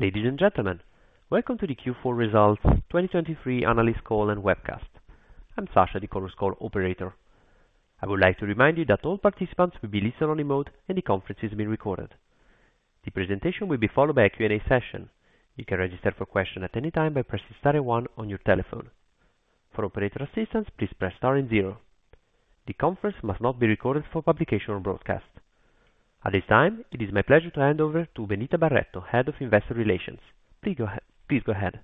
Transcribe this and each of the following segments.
Ladies and gentlemen, welcome to the Q4 Results 2023 Analyst Call and Webcast. I'm Sasha, the Chorus Call operator. I would like to remind you that all participants will be in listen-only mode, and the conference is being recorded. The presentation will be followed by a Q&A session. You can register for questions at any time by pressing star and one on your telephone. For operator assistance, please press star and zero. The conference must not be recorded for publication or broadcast. At this time, it is my pleasure to hand over to Benita Barretto, Head of Investor Relations. Please go ahead.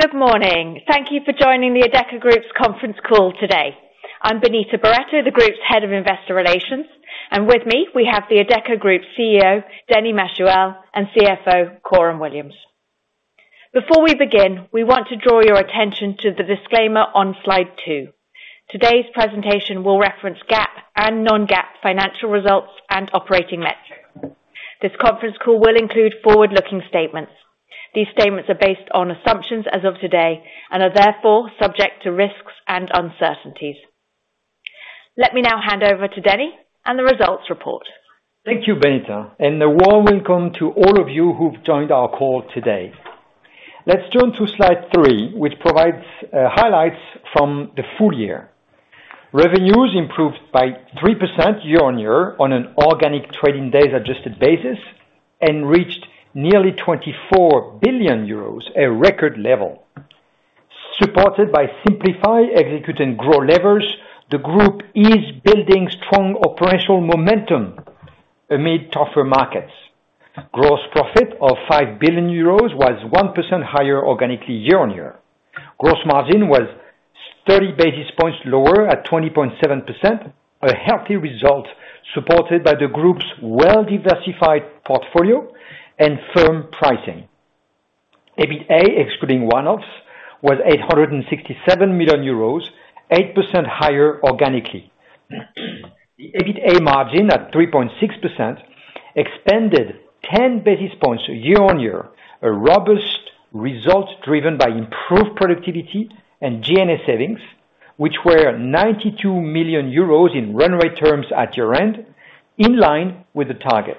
Good morning. Thank you for joining the Adecco Group's conference call today. I'm Benita Barretto, the Group's Head of Investor Relations, and with me we have the Adecco Group CEO, Denis Machuel, and CFO, Coram Williams. Before we begin, we want to draw your attention to the disclaimer on Slide 2. Today's presentation will reference GAAP and non-GAAP financial results and operating metrics. This conference call will include forward-looking statements. These statements are based on assumptions as of today and are therefore subject to risks and uncertainties. Let me now hand over to Denis and the results report. Thank you, Benita, and a warm welcome to all of you who've joined our call today. Let's turn to Slide 3, which provides highlights from the full year. Revenues improved by 3% year-on-year on an organic trading days-adjusted basis and reached nearly 24 billion euros, a record level. Supported by Simplify, Execute, and Grow levers, the Group is building strong operational momentum amid tougher markets. Gross profit of 5 billion euros was 1% higher organically year-on-year. Gross margin was 30 basis points lower at 20.7%, a healthy result supported by the Group's well-diversified portfolio and firm pricing. EBITA, excluding one-offs, was 867 million euros, 8% higher organically. The EBITA margin at 3.6% expanded 10 basis points year-on-year, a robust result driven by improved productivity and G&A savings, which were 92 million euros in run rate terms at year-end, in line with the target.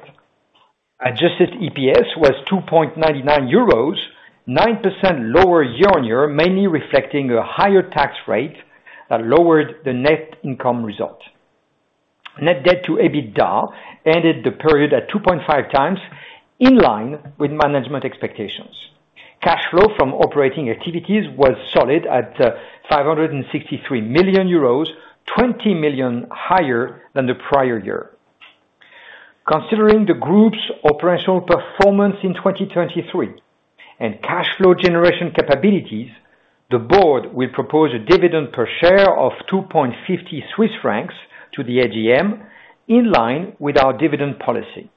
Adjusted EPS was 2.99 euros, 9% lower year-over-year, mainly reflecting a higher tax rate that lowered the net income result. Net debt to EBITDA ended the period at 2.5 times, in line with management expectations. Cash flow from operating activities was solid at 563 million euros, 20 million higher than the prior year. Considering the Group's operational performance in 2023 and cash flow generation capabilities, the Board will propose a dividend per share of 2.50 Swiss francs to the AGM, in line with our dividend policy.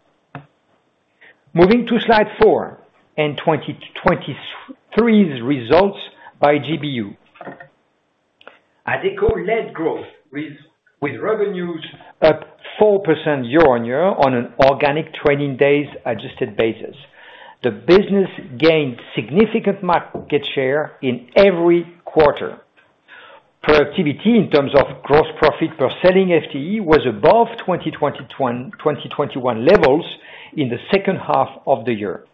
Moving to Slide 4 and 2023's results by GBU. Adecco led growth, with revenues up 4% year-over-year on an organic trading days-adjusted basis. The business gained significant market share in every quarter. Productivity in terms of gross profit per selling FTE was above 2020-2021 levels in the second half of the year.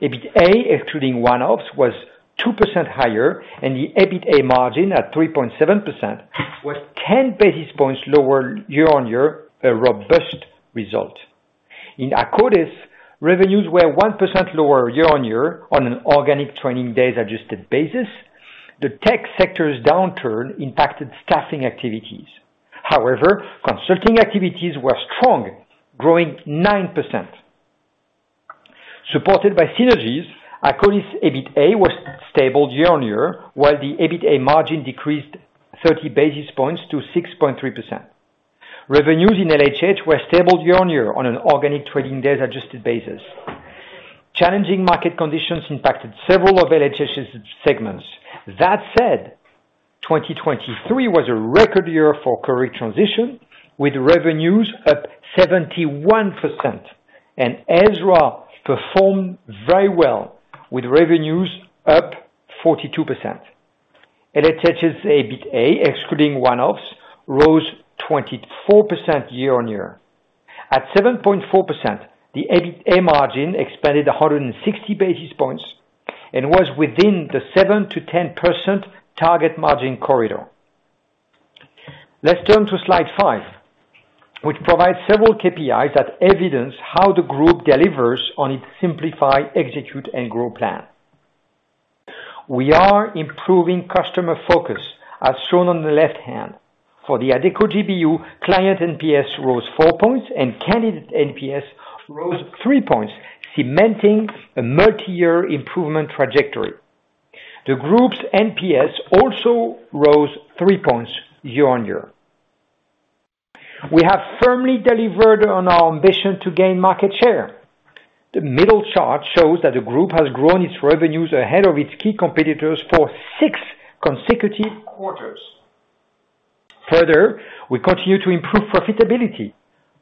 EBITA, excluding one-offs, was 2% higher, and the EBITA margin at 3.7% was 10 basis points lower year-on-year, a robust result. In Akkodis, revenues were 1% lower year-on-year on an organic trading days-adjusted basis. The tech sector's downturn impacted staffing activities. However, consulting activities were strong, growing 9%. Supported by synergies, Akkodis' EBITA was stable year-on-year, while the EBITA margin decreased 30 basis points to 6.3%. Revenues in LHH were stable year-on-year on an organic trading days-adjusted basis. Challenging market conditions impacted several of LHH's segments. That said, 2023 was a record year for Career Transition, with revenues up 71%, and Ezra performed very well, with revenues up 42%. LHH's EBITA, excluding one-offs, rose 24% year-on-year. At 7.4%, the EBITA margin expanded 160 basis points and was within the 7%-10% target margin corridor. Let's turn to Slide 5, which provides several KPIs that evidence how the Group delivers on its Simplify, Execute, and Grow plan. We are improving customer focus, as shown on the left hand. For the Adecco GBU, client NPS rose 4 points and candidate NPS rose 3 points, cementing a multi-year improvement trajectory. The Group's NPS also rose 3 points year-on-year. We have firmly delivered on our ambition to gain market share. The middle chart shows that the Group has grown its revenues ahead of its key competitors for six consecutive quarters. Further, we continue to improve profitability.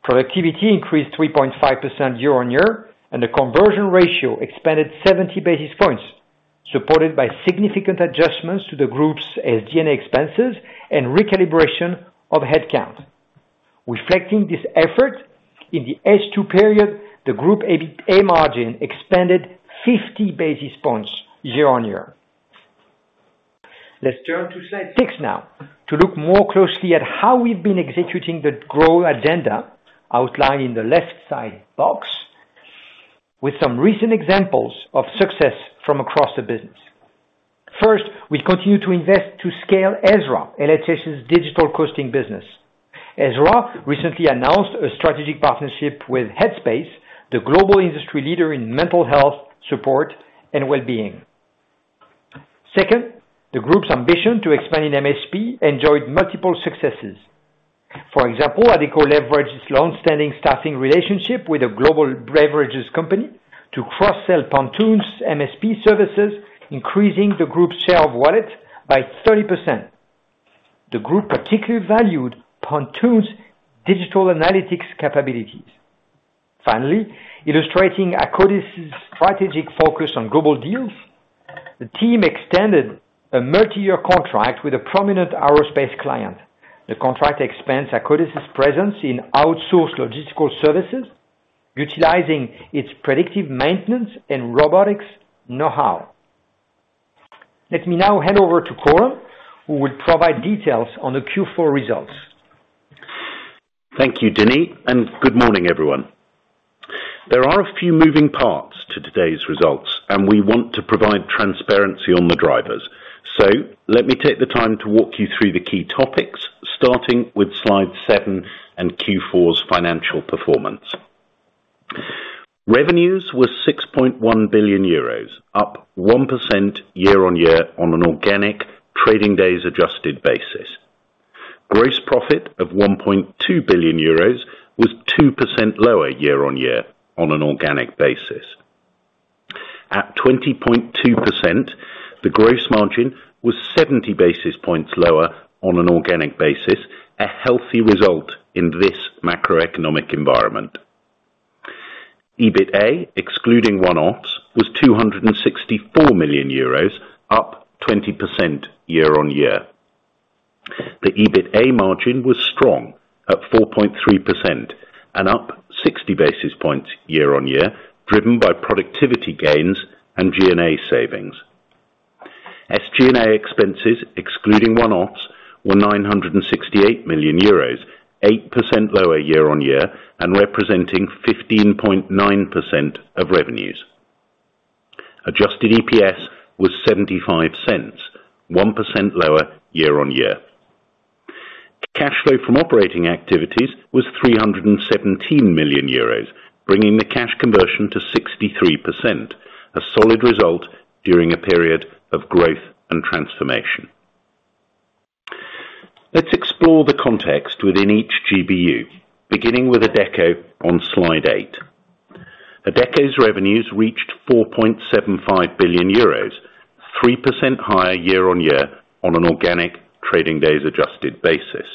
Productivity increased 3.5% year-on-year, and the conversion ratio expanded 70 basis points, supported by significant adjustments to the Group's SG&A expenses and recalibration of headcount. Reflecting this effort, in the S2 period, the Group's EBITA margin expanded 50 basis points year-on-year. Let's turn to Slide 6 now to look more closely at how we've been executing the growth agenda outlined in the left side box, with some recent examples of success from across the business. First, we continue to invest to scale Ezra, LHH's digital coaching business. Ezra recently announced a strategic partnership with Headspace, the global industry leader in mental health support and well-being. Second, the Group's ambition to expand in MSP enjoyed multiple successes. For example, Adecco leveraged its longstanding staffing relationship with a global beverages company to cross-sell Pontoon's MSP services, increasing the Group's share of wallet by 30%. The Group particularly valued Pontoon's digital analytics capabilities. Finally, illustrating Akkodis's strategic focus on global deals, the team extended a multi-year contract with a prominent aerospace client. The contract expands Akkodis's presence in outsourced logistical services, utilizing its predictive maintenance and robotics know-how. Let me now hand over to Coram, who will provide details on the Q4 results. Thank you, Denis, and good morning, everyone. There are a few moving parts to today's results, and we want to provide transparency on the drivers. So let me take the time to walk you through the key topics, starting with Slide 7 and Q4's financial performance. Revenues were 6.1 billion euros, up 1% year-on-year on an organic trading days-adjusted basis. Gross profit of 1.2 billion euros was 2% lower year-on-year on an organic basis. At 20.2%, the gross margin was 70 basis points lower on an organic basis, a healthy result in this macroeconomic environment. EBITA, excluding one-offs, was 264 million euros, up 20% year-on-year. The EBITA margin was strong at 4.3% and up 60 basis points year-on-year, driven by productivity gains and G&A savings. SG&A expenses, excluding one-offs, were 968 million euros, 8% lower year-on-year and representing 15.9% of revenues. Adjusted EPS was 0.75, 1% lower year-on-year. Cash flow from operating activities was 317 million euros, bringing the cash conversion to 63%, a solid result during a period of growth and transformation. Let's explore the context within each GBU, beginning with Adecco on Slide 8. Adecco's revenues reached 4.75 billion euros, 3% higher year-on-year on an organic trading days-adjusted basis.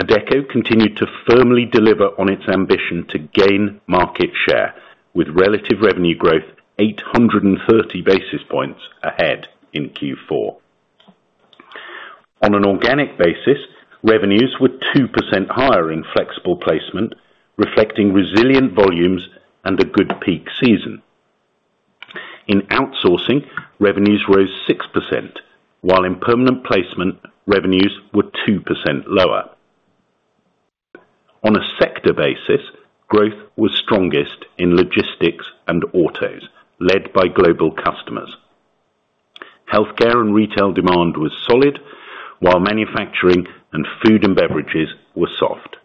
Adecco continued to firmly deliver on its ambition to gain market share, with relative revenue growth 830 basis points ahead in Q4. On an organic basis, revenues were 2% higher in flexible placement, reflecting resilient volumes and a good peak season. In outsourcing, revenues rose 6%, while in permanent placement, revenues were 2% lower. On a sector basis, growth was strongest in logistics and autos, led by global customers. Healthcare and retail demand was solid, while manufacturing and food and beverages were soft.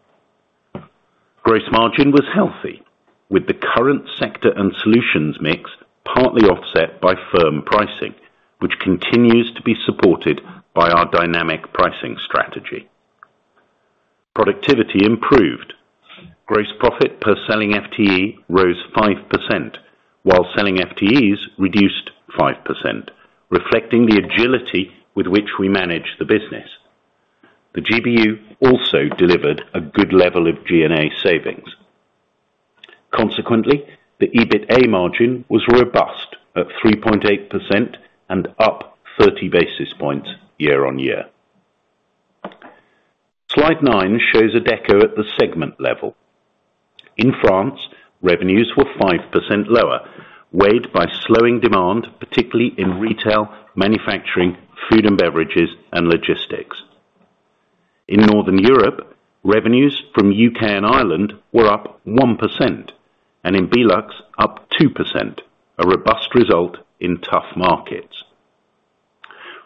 Gross margin was healthy, with the current sector and solutions mix partly offset by firm pricing, which continues to be supported by our dynamic pricing strategy. Productivity improved. Gross profit per selling FTE rose 5%, while selling FTEs reduced 5%, reflecting the agility with which we manage the business. The GBU also delivered a good level of G&A savings. Consequently, the EBITA margin was robust at 3.8% and up 30 basis points year-over-year. Slide 9 shows Adecco at the segment level. In France, revenues were 5% lower, weighed by slowing demand, particularly in retail, manufacturing, food and beverages, and logistics. In Northern Europe, revenues from UK and Ireland were up 1%, and in Belux, up 2%, a robust result in tough markets.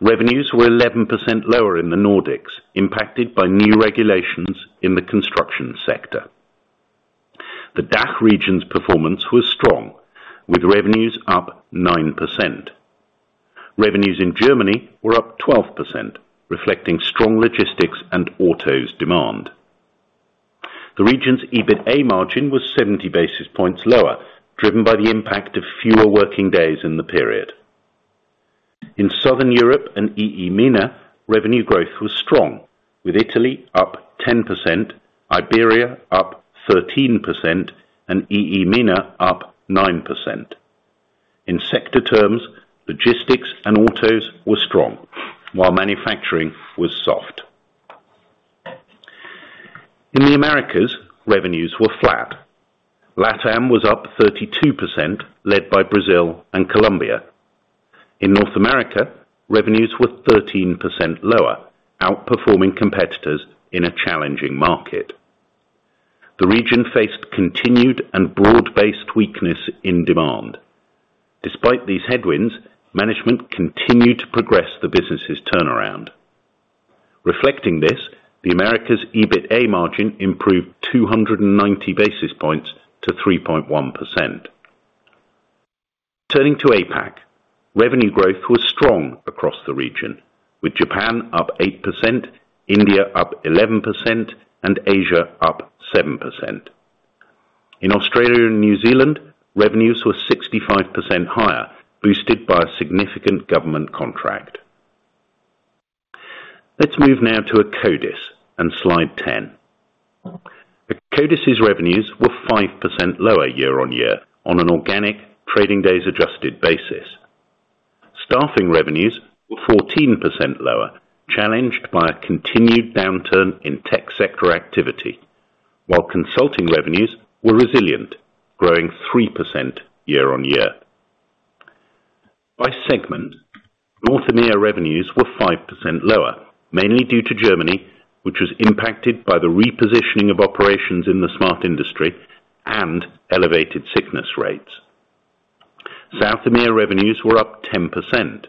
Revenues were 11% lower in the Nordics, impacted by new regulations in the construction sector. The DACH region's performance was strong, with revenues up 9%. Revenues in Germany were up 12%, reflecting strong logistics and autos demand. The region's EBITA margin was 70 basis points lower, driven by the impact of fewer working days in the period. In Southern Europe and EEMENA, revenue growth was strong, with Italy up 10%, Iberia up 13%, and EEMENA up 9%. In sector terms, logistics and autos were strong, while manufacturing was soft. In the Americas, revenues were flat. LATAM was up 32%, led by Brazil and Colombia. In North America, revenues were 13% lower, outperforming competitors in a challenging market. The region faced continued and broad-based weakness in demand. Despite these headwinds, management continued to progress the business's turnaround. Reflecting this, the Americas' EBITA margin improved 290 basis points to 3.1%. Turning to APAC, revenue growth was strong across the region, with Japan up 8%, India up 11%, and Asia up 7%. In Australia and New Zealand, revenues were 65% higher, boosted by a significant government contract. Let's move now to Akkodis and Slide 10. Akkodis's revenues were 5% lower year on year on an organic trading days-adjusted basis. Staffing revenues were 14% lower, challenged by a continued downturn in tech sector activity, while consulting revenues were resilient, growing 3% year on year. By segment, North EMEA revenues were 5% lower, mainly due to Germany, which was impacted by the repositioning of operations in the Smart Industry and elevated sickness rates. South EMEA revenues were up 10%.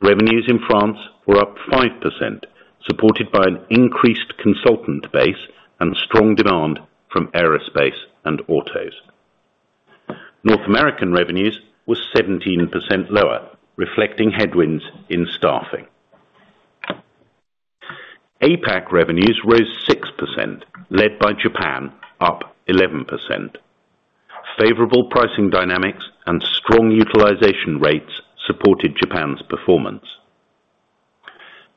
Revenues in France were up 5%, supported by an increased consultant base and strong demand from aerospace and autos. North American revenues were 17% lower, reflecting headwinds in staffing. APAC revenues rose 6%, led by Japan, up 11%. Favorable pricing dynamics and strong utilization rates supported Japan's performance.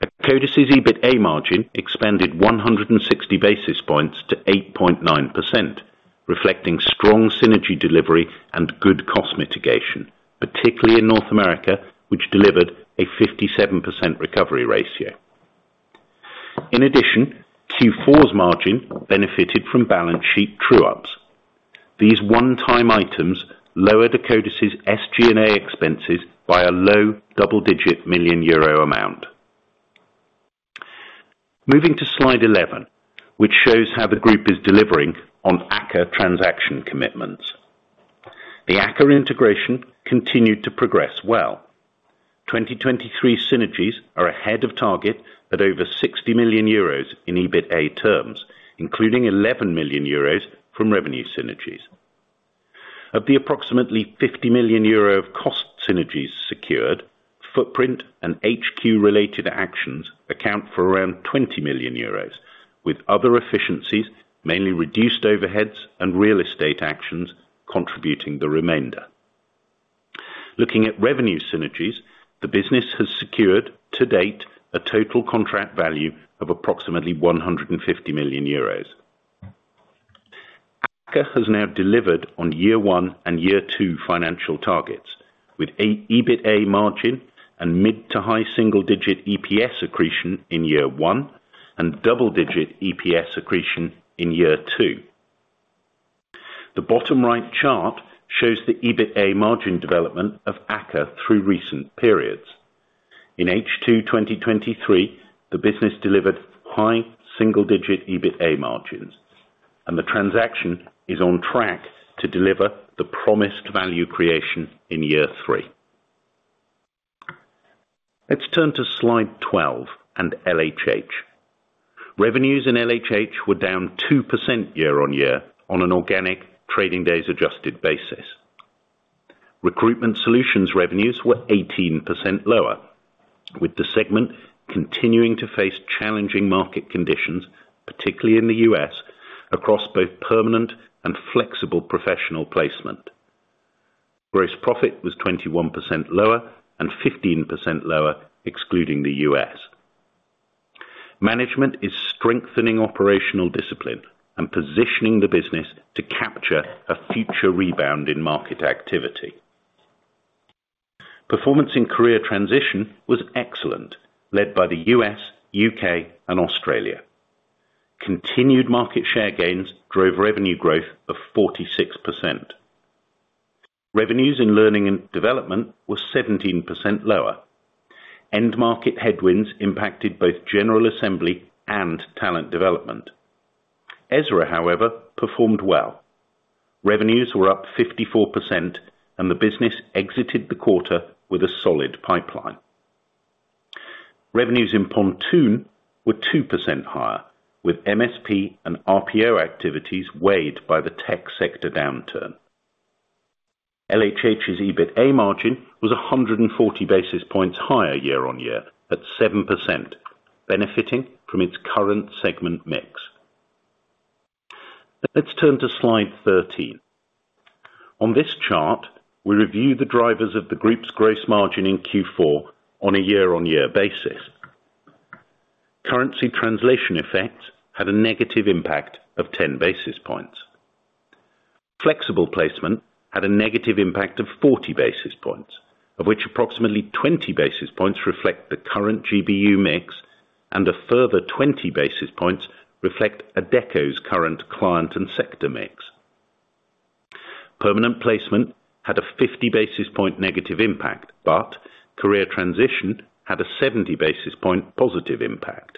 Akkodis's EBITA margin expanded 160 basis points to 8.9%, reflecting strong synergy delivery and good cost mitigation, particularly in North America, which delivered a 57% recovery ratio. In addition, Q4's margin benefited from balance sheet true-ups. These one-time items lowered Akkodis's SG&A expenses by a low double-digit million EUR amount. Moving to Slide 11, which shows how the Group is delivering on AKKA transaction commitments. The AKKA integration continued to progress well. 2023 synergies are ahead of target at over 60 million euros in EBITA terms, including 11 million euros from revenue synergies. Of the approximately 50 million euro of cost synergies secured, footprint and HQ-related actions account for around 20 million euros, with other efficiencies, mainly reduced overheads and real estate actions, contributing the remainder. Looking at revenue synergies, the business has secured, to date, a total contract value of approximately 150 million euros. AKKA has now delivered on year one and year two financial targets, with EBITA margin and mid-to-high single-digit EPS accretion in year one and double-digit EPS accretion in year two. The bottom-right chart shows the EBITA margin development of AKKA through recent periods. In H2 2023, the business delivered high single-digit EBITA margins, and the transaction is on track to deliver the promised value creation in year three. Let's turn to Slide 12 and LHH. Revenues in LHH were down 2% year-over-year on an organic trading days-adjusted basis. Recruitment Solutions revenues were 18% lower, with the segment continuing to face challenging market conditions, particularly in the U.S., across both permanent and flexible professional placement. Gross profit was 21% lower and 15% lower, excluding the U.S. Management is strengthening operational discipline and positioning the business to capture a future rebound in market activity. Performance in Career Transition was excellent, led by the U.S., U.K., and Australia. Continued market share gains drove revenue growth of 46%. Revenues in Learning and Development were 17% lower. End-market headwinds impacted both General Assembly and Talent Development. Ezra, however, performed well. Revenues were up 54%, and the business exited the quarter with a solid pipeline. Revenues in Pontoon were 2% higher, with MSP and RPO activities weighed by the tech sector downturn. LHH's EBITA margin was 140 basis points higher year on year at 7%, benefiting from its current segment mix. Let's turn to Slide 13. On this chart, we review the drivers of the Group's gross margin in Q4 on a year-on-year basis. Currency translation effects had a negative impact of 10 basis points. Flexible placement had a negative impact of 40 basis points, of which approximately 20 basis points reflect the current GBU mix, and a further 20 basis points reflect Adecco's current client and sector mix. Permanent placement had a 50 basis point negative impact, but Career Transition had a 70 basis point positive impact.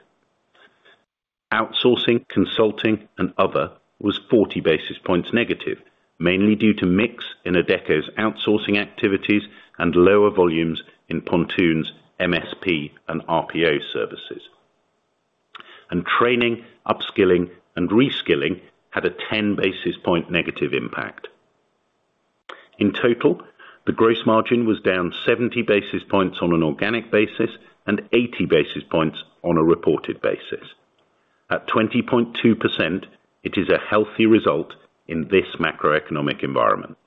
Outsourcing, consulting, and other was 40 basis points negative, mainly due to mix in Adecco's outsourcing activities and lower volumes in Pontoon's MSP and RPO services. Training, upskilling, and reskilling had a 10 basis point negative impact. In total, the gross margin was down 70 basis points on an organic basis and 80 basis points on a reported basis. At 20.2%, it is a healthy result in this macroeconomic environment.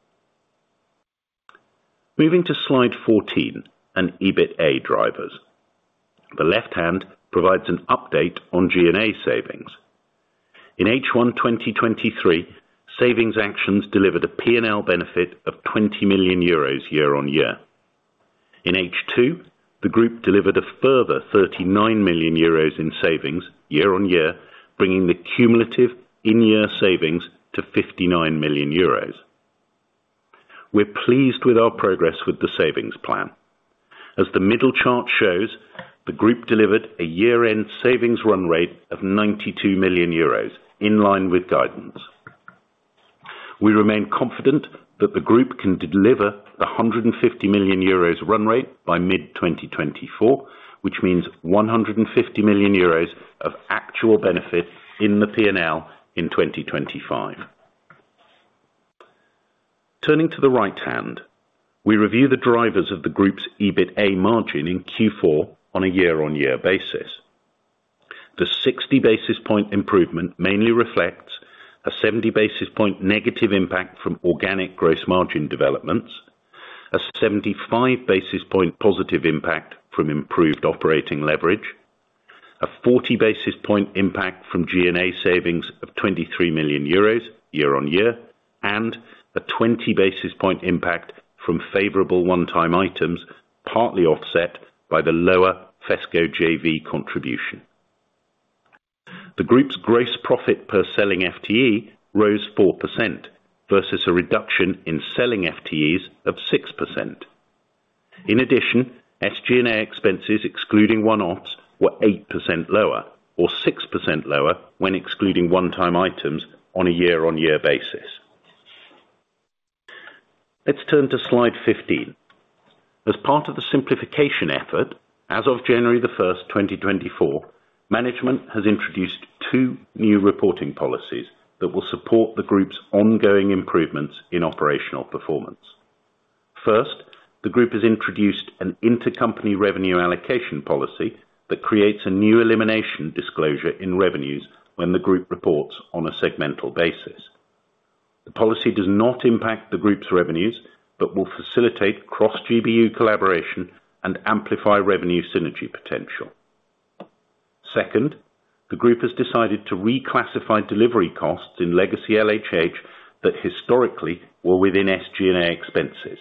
Moving to Slide 14 and EBITA drivers. The left hand provides an update on G&A savings. In H1 2023, savings actions delivered a P&L benefit of 20 million euros year on year. In H2, the Group delivered a further 39 million euros in savings year on year, bringing the cumulative in-year savings to 59 million euros. We're pleased with our progress with the savings plan. As the middle chart shows, the Group delivered a year-end savings run rate of 92 million euros, in line with guidance. We remain confident that the Group can deliver the 150 million euros run rate by mid-2024, which means 150 million euros of actual benefit in the P&L in 2025. Turning to the right hand, we review the drivers of the Group's EBITA margin in Q4 on a year-on-year basis. The 60 basis point improvement mainly reflects a 70 basis point negative impact from organic gross margin developments, a 75 basis point positive impact from improved operating leverage, a 40 basis point impact from G&A savings of 23 million euros year-on-year, and a 20 basis point impact from favorable one-time items, partly offset by the lower FESCO JV contribution. The Group's gross profit per selling FTE rose 4%, versus a reduction in selling FTEs of 6%. In addition, SG&A expenses, excluding one-offs, were 8% lower, or 6% lower when excluding one-time items, on a year-on-year basis. Let's turn to Slide 15. As part of the simplification effort, as of January 1, 2024, management has introduced two new reporting policies that will support the Group's ongoing improvements in operational performance. First, the Group has introduced an intercompany revenue allocation policy that creates a new elimination disclosure in revenues when the Group reports on a segmental basis. The policy does not impact the Group's revenues but will facilitate cross-GBU collaboration and amplify revenue synergy potential. Second, the Group has decided to reclassify delivery costs in legacy LHH that historically were within SG&A expenses.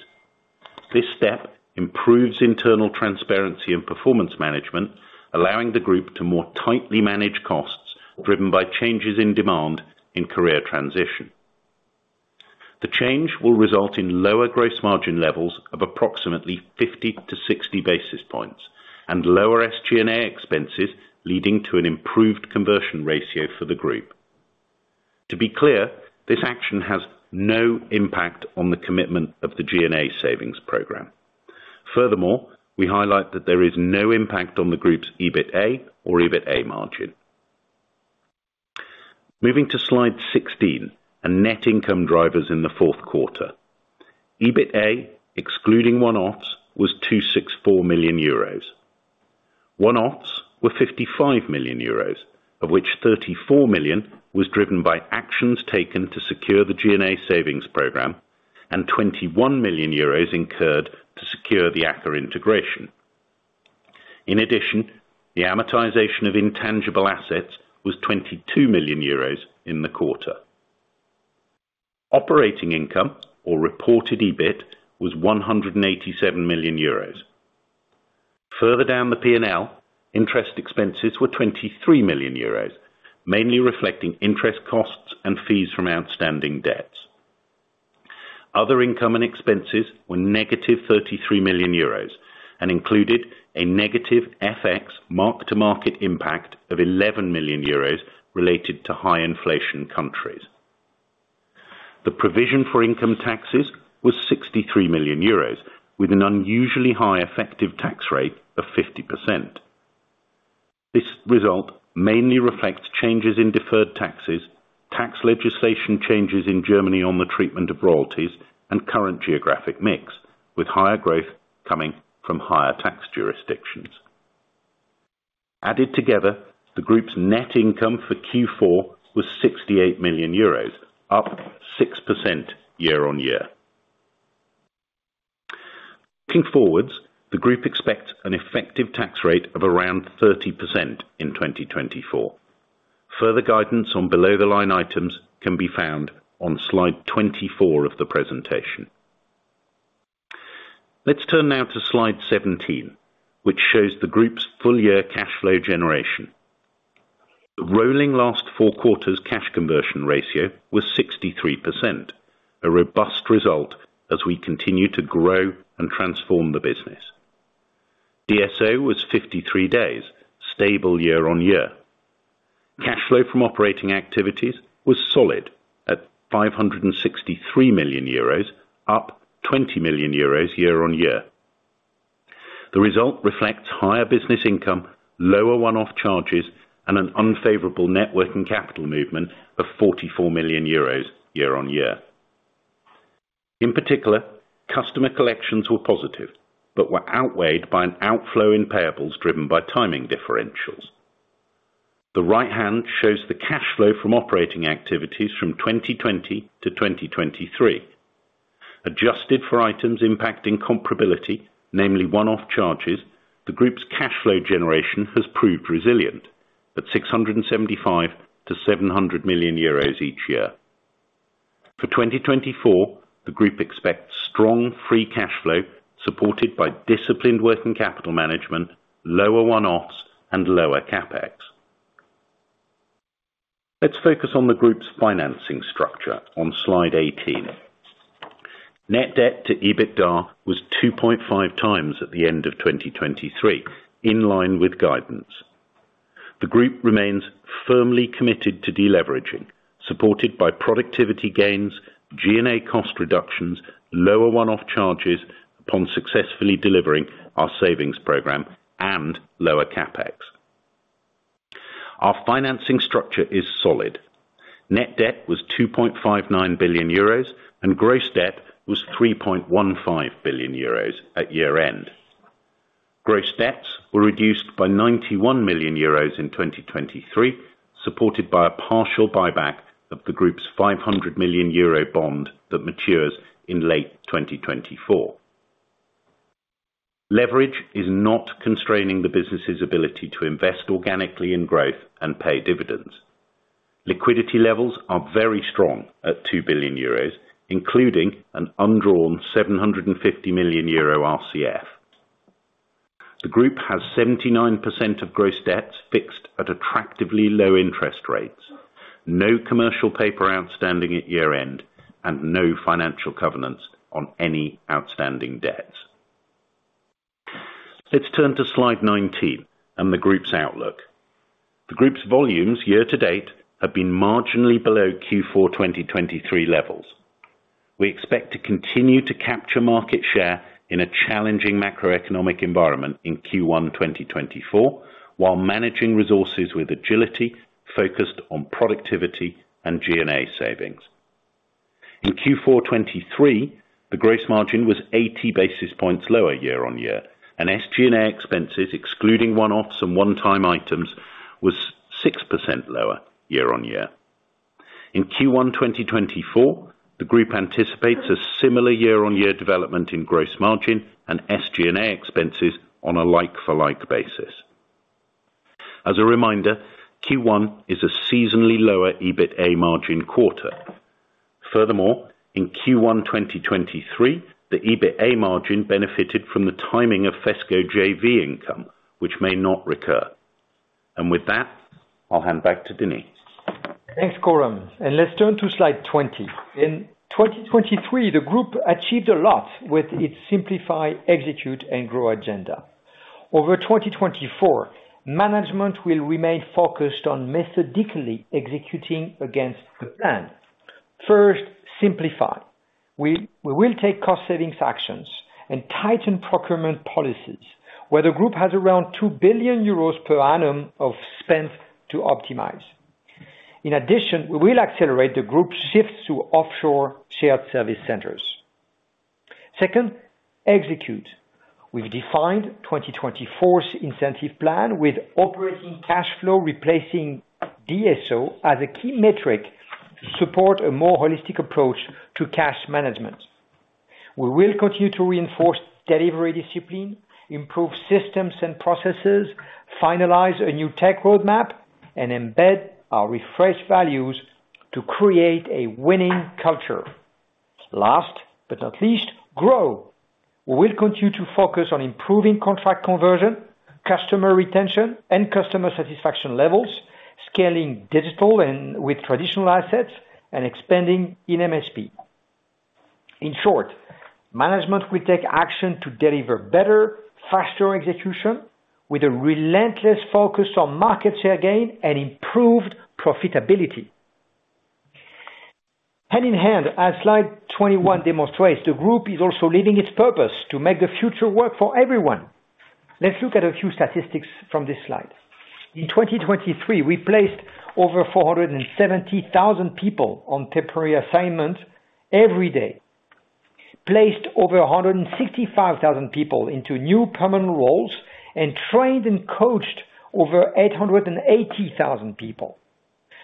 This step improves internal transparency and performance management, allowing the Group to more tightly manage costs driven by changes in demand in Career Transition. The change will result in lower gross margin levels of approximately 50-60 basis points and lower SG&A expenses, leading to an improved conversion ratio for the Group. To be clear, this action has no impact on the commitment of the G&A savings program. Furthermore, we highlight that there is no impact on the Group's EBITA or EBITA margin. Moving to Slide 16 and net income drivers in the fourth quarter. EBITA, excluding one-offs, was 264 million euros. One-offs were 55 million euros, of which 34 million was driven by actions taken to secure the G&A savings program, and 21 million euros incurred to secure the AKKA integration. In addition, the amortization of intangible assets was 22 million euros in the quarter. Operating income, or reported EBIT, was 187 million euros. Further down the P&L, interest expenses were 23 million euros, mainly reflecting interest costs and fees from outstanding debts. Other income and expenses were 33 million euros and included a negative FX mark-to-market impact of 11 million euros related to high inflation countries. The provision for income taxes was 63 million euros, with an unusually high effective tax rate of 50%. This result mainly reflects changes in deferred taxes, tax legislation changes in Germany on the treatment of royalties, and current geographic mix, with higher growth coming from higher tax jurisdictions. Added together, the Group's net income for Q4 was 68 million euros, up 6% year-over-year. Looking forward, the Group expects an effective tax rate of around 30% in 2024. Further guidance on below-the-line items can be found on Slide 24 of the presentation. Let's turn now to Slide 17, which shows the Group's full-year cash flow generation. The rolling last four quarters cash conversion ratio was 63%, a robust result as we continue to grow and transform the business. DSO was 53 days, stable year-over-year. Cash flow from operating activities was solid at 563 million euros, up 20 million euros year-over-year. The result reflects higher business income, lower one-off charges, and an unfavorable net working capital movement of 44 million euros year-on-year. In particular, customer collections were positive but were outweighed by an outflow in payables driven by timing differentials. The right hand shows the cash flow from operating activities from 2020 to 2023. Adjusted for items impacting comparability, namely one-off charges, the Group's cash flow generation has proved resilient, at 675 million-700 million euros each year. For 2024, the Group expects strong free cash flow supported by disciplined working capital management, lower one-offs, and lower CapEx. Let's focus on the Group's financing structure on Slide 18. Net debt to EBITDA was 2.5 times at the end of 2023, in line with guidance. The Group remains firmly committed to deleveraging, supported by productivity gains, G&A cost reductions, lower one-off charges upon successfully delivering our savings program, and lower CapEx. Our financing structure is solid. Net debt was 2.59 billion euros, and gross debt was 3.15 billion euros at year-end. Gross debts were reduced by 91 million euros in 2023, supported by a partial buyback of the Group's 500 million euro bond that matures in late 2024. Leverage is not constraining the business's ability to invest organically in growth and pay dividends. Liquidity levels are very strong at 2 billion euros, including an undrawn 750 million euro RCF. The Group has 79% of gross debts fixed at attractively low interest rates, no commercial paper outstanding at year-end, and no financial covenants on any outstanding debts. Let's turn to Slide 19 and the Group's outlook. The Group's volumes year-to-date have been marginally below Q4 2023 levels. We expect to continue to capture market share in a challenging macroeconomic environment in Q1 2024, while managing resources with agility focused on productivity and G&A savings. In Q4 2023, the gross margin was 80 basis points lower year-over-year, and SG&A expenses, excluding one-offs and one-time items, were 6% lower year-over-year. In Q1 2024, the Group anticipates a similar year-over-year development in gross margin and SG&A expenses on a like-for-like basis. As a reminder, Q1 is a seasonally lower EBITA margin quarter. Furthermore, in Q1 2023, the EBITA margin benefited from the timing of FESCO JV income, which may not recur. And with that, I'll hand back to Denis. Thanks, Coram. And let's turn to Slide 20. In 2023, the Group achieved a lot with its Simplify, Execute, and Grow agenda. Over 2024, management will remain focused on methodically executing against the plan. First, Simplify. We will take cost-savings actions and tighten procurement policies, where the Group has around 2 billion euros per annum of spend to optimize. In addition, we will accelerate the Group's shifts to offshore shared service centers. Second, Execute. We've defined 2024's incentive plan, with operating cash flow replacing DSO as a key metric to support a more holistic approach to cash management. We will continue to reinforce delivery discipline, improve systems and processes, finalize a new tech roadmap, and embed our refreshed values to create a winning culture. Last but not least, Grow. We will continue to focus on improving contract conversion, customer retention, and customer satisfaction levels, scaling digital and with traditional assets, and expanding in MSP. In short, management will take action to deliver better, faster execution, with a relentless focus on market share gain and improved profitability. Hand in hand, as Slide 21 demonstrates, the Group is also living its purpose to make the future work for everyone. Let's look at a few statistics from this slide. In 2023, we placed over 470,000 people on temporary assignment every day. Placed over 165,000 people into new permanent roles and trained and coached over 880,000 people.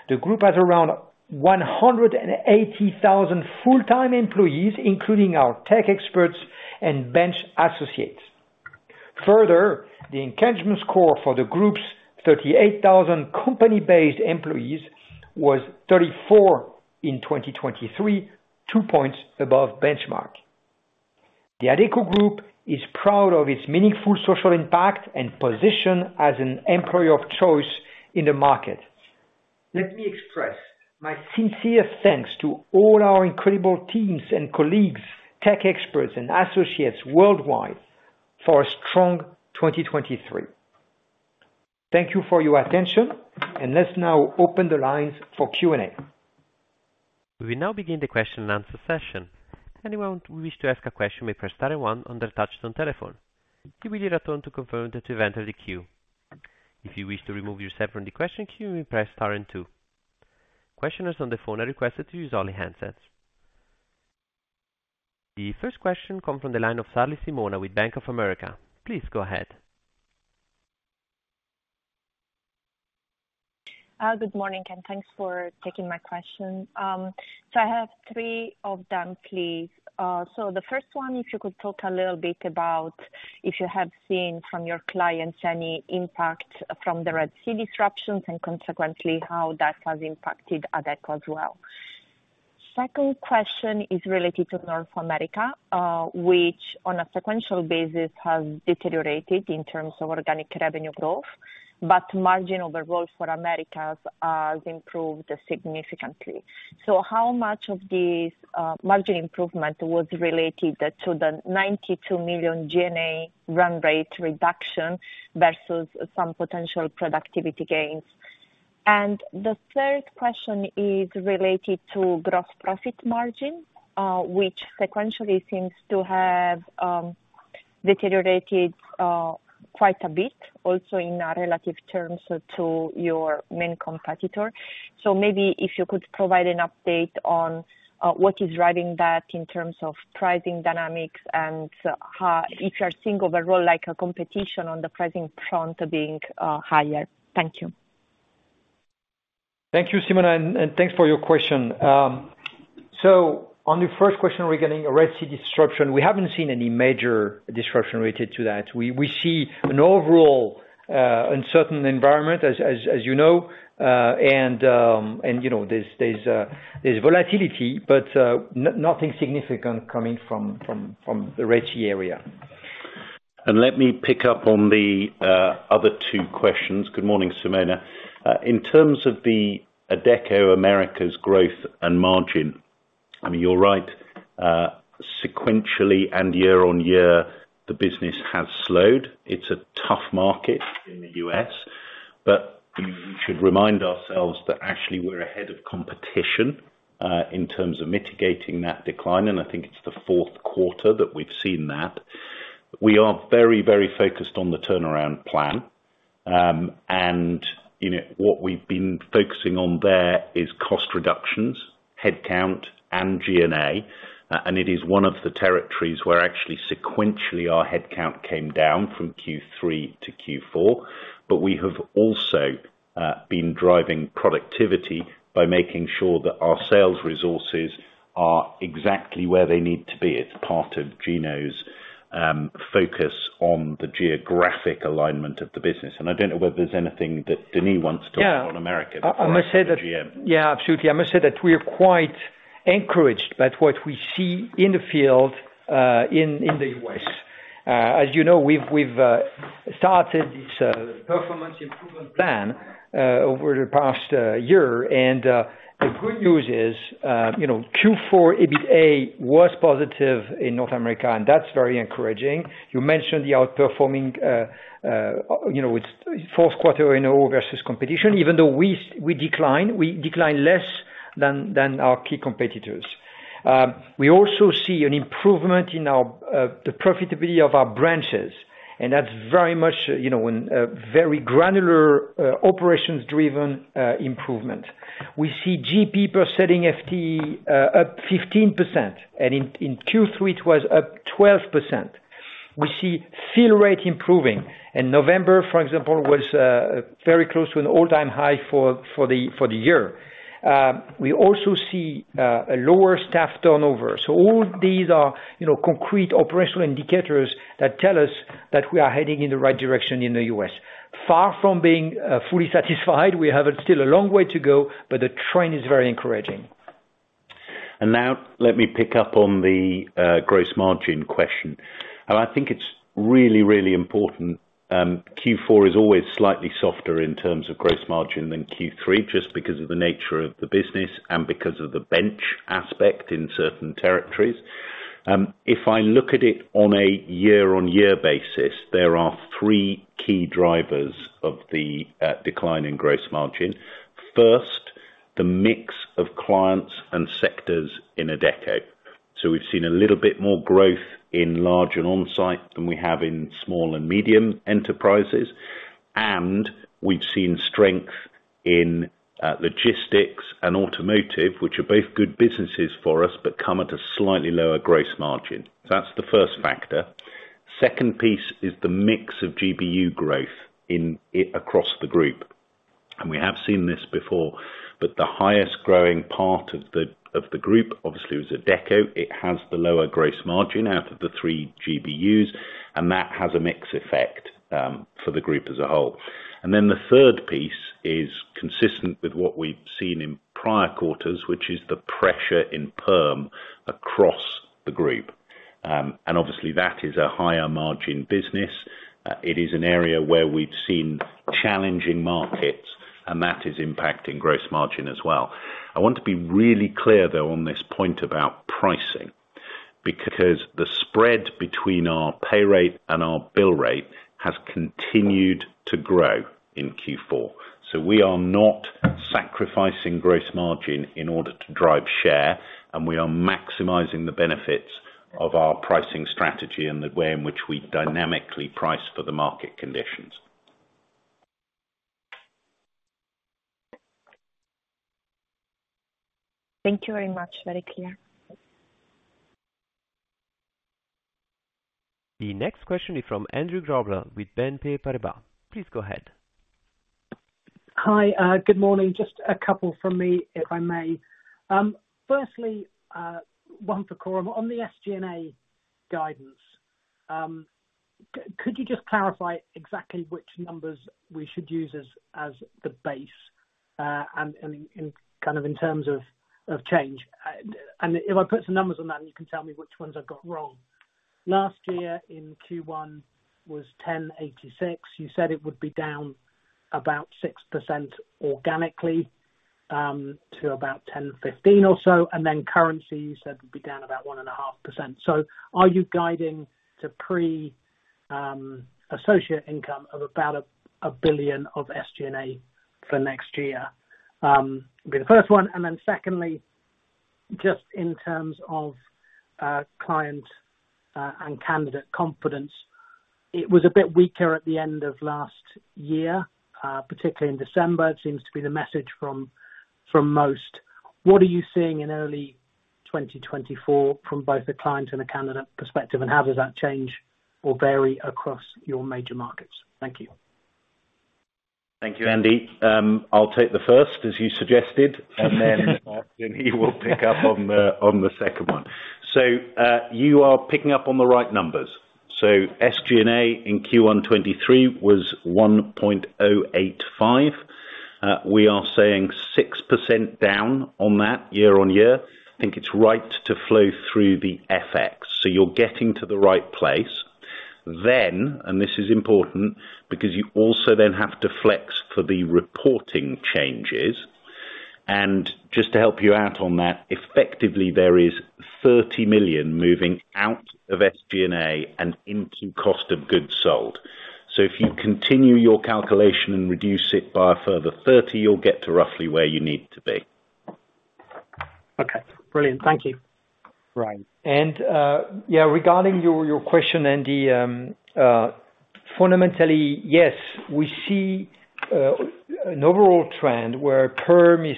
The Group has around 180,000 full-time employees, including our tech experts and bench associates. Further, the engagement score for the Group's 38,000 company-based employees was 34 in 2023, two points above benchmark. The Adecco Group is proud of its meaningful social impact and position as an employer of choice in the market. Let me express my sincerest thanks to all our incredible teams and colleagues, tech experts, and associates worldwide for a strong 2023. Thank you for your attention, and let's now open the lines for Q&A. We will now begin the question and answer session. Anyone who wishes to ask a question may press star and one on their touch-tone telephone. You will need a tone to confirm that you've entered the queue. If you wish to remove yourself from the question queue, you may press star and two. Questioners on the phone are requested to use only handsets. The first question comes from the line of Sarli Simona with Bank of America. Please go ahead. Good morning, and thanks for taking my question. So I have three of them, please. So the first one, if you could talk a little bit about if you have seen from your clients any impact from the Red Sea disruptions and consequently how that has impacted Adecco as well. Second question is related to North America, which on a sequential basis has deteriorated in terms of organic revenue growth, but margin overall for America has improved significantly. So how much of this margin improvement was related to the 92 million G&A run rate reduction versus some potential productivity gains? And the third question is related to gross profit margin, which sequentially seems to have deteriorated quite a bit also in relative terms to your main competitor. So maybe if you could provide an update on what is driving that in terms of pricing dynamics and if you are seeing overall a competition on the pricing front being higher. Thank you. Thank you, Simona, and thanks for your question. So on the first question, regarding Red Sea disruption, we haven't seen any major disruption related to that. We see an overall uncertain environment, as you know, and there's volatility, but nothing significant coming from the Red Sea area. And let me pick up on the other two questions. Good morning, Simona. In terms of the Adecco Americas' growth and margin, I mean, you're right. Sequentially and year-on-year, the business has slowed. It's a tough market in the U.S. But we should remind ourselves that actually we're ahead of competition in terms of mitigating that decline, and I think it's the fourth quarter that we've seen that. We are very, very focused on the turnaround plan. And what we've been focusing on there is cost reductions, headcount, and G&A. And it is one of the territories where actually sequentially our headcount came down from Q3 to Q4. But we have also been driving productivity by making sure that our sales resources are exactly where they need to be. It's part of Geno's focus on the geographic alignment of the business. And I don't know whether there's anything that Denis wants to add on America before we go to GM. Yeah, absolutely. I must say that we are quite encouraged by what we see in the field in the U.S. As you know, we've started this performance improvement plan over the past year. The good news is Q4 EBITA was positive in North America, and that's very encouraging. You mentioned the outperforming with fourth quarter in a row versus competition, even though we decline. We decline less than our key competitors. We also see an improvement in the profitability of our branches, and that's very much a very granular operations-driven improvement. We see GP per selling FTE up 15%, and in Q3, it was up 12%. We see fill rate improving. November, for example, was very close to an all-time high for the year. We also see a lower staff turnover. So all these are concrete operational indicators that tell us that we are heading in the right direction in the U.S. Far from being fully satisfied, we have still a long way to go, but the trend is very encouraging. Now let me pick up on the gross margin question. I think it's really, really important. Q4 is always slightly softer in terms of gross margin than Q3, just because of the nature of the business and because of the bench aspect in certain territories. If I look at it on a year-over-year basis, there are three key drivers of the decline in gross margin. First, the mix of clients and sectors in Adecco. So we've seen a little bit more growth in large and on-site than we have in small and medium enterprises. We've seen strength in logistics and automotive, which are both good businesses for us but come at a slightly lower gross margin. That's the first factor. Second piece is the mix of GBU growth across the group. And we have seen this before, but the highest growing part of the group, obviously, was Adecco. It has the lower gross margin out of the three GBUs, and that has a mix effect for the group as a whole. And then the third piece is consistent with what we've seen in prior quarters, which is the pressure in Perm across the group. And obviously, that is a higher margin business. It is an area where we've seen challenging markets, and that is impacting gross margin as well. I want to be really clear, though, on this point about pricing because the spread between our pay rate and our bill rate has continued to grow in Q4. So we are not sacrificing gross margin in order to drive share, and we are maximizing the benefits of our pricing strategy and the way in which we dynamically price for the market conditions. Thank you very much. Very clear. The next question is from Andrew Grobler with BNP Paribas. Please go ahead. Hi. Good morning. Just a couple from me, if I may. Firstly, one for Coram. On the SG&A guidance, could you just clarify exactly which numbers we should use as the base and kind of in terms of change? And if I put some numbers on that, you can tell me which ones I've got wrong. Last year in Q1 was 1,086. You said it would be down about 6% organically to about 1,015 or so, and then currency, you said, would be down about 1.5%. So are you guiding to pre-SG&A income of about 1 billion of SG&A for next year? It'll be the first one. And then secondly, just in terms of client and candidate confidence, it was a bit weaker at the end of last year, particularly in December. It seems to be the message from most. What are you seeing in early 2024 from both a client and a candidate perspective, and how does that change or vary across your major markets? Thank you. Thank you, Andy. I'll take the first, as you suggested, and then Denis will pick up on the second one. So you are picking up on the right numbers. So SG&A in Q1 2023 was 1.085 billion. We are saying 6% down on that year-on-year. I think it's right to flow through the FX. So you're getting to the right place. Then - and this is important - because you also then have to flex for the reporting changes. And just to help you out on that, effectively, there is 30 million moving out of SG&A and into cost of goods sold. So if you continue your calculation and reduce it by a further 30 million, you'll get to roughly where you need to be. Okay. Brilliant. Thank you. Right. And yeah, regarding your question, Andy, fundamentally, yes, we see an overall trend where Perm is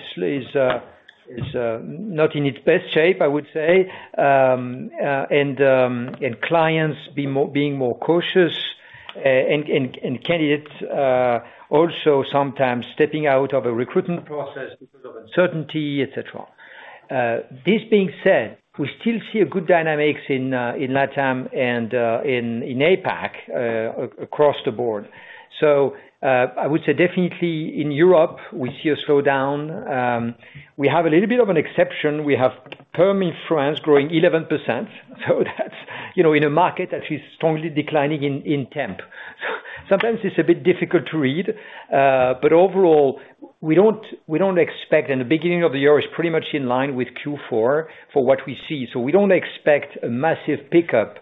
not in its best shape, I would say, and clients being more cautious and candidates also sometimes stepping out of a recruitment process because of uncertainty, etc. This being said, we still see a good dynamics in LATAM and in APAC across the board. So I would say definitely in Europe, we see a slowdown. We have a little bit of an exception. We have Perm in France growing 11%. So that's in a market that is strongly declining in temp. So sometimes it's a bit difficult to read. But overall, we don't expect and the beginning of the year is pretty much in line with Q4 for what we see. So we don't expect a massive pickup,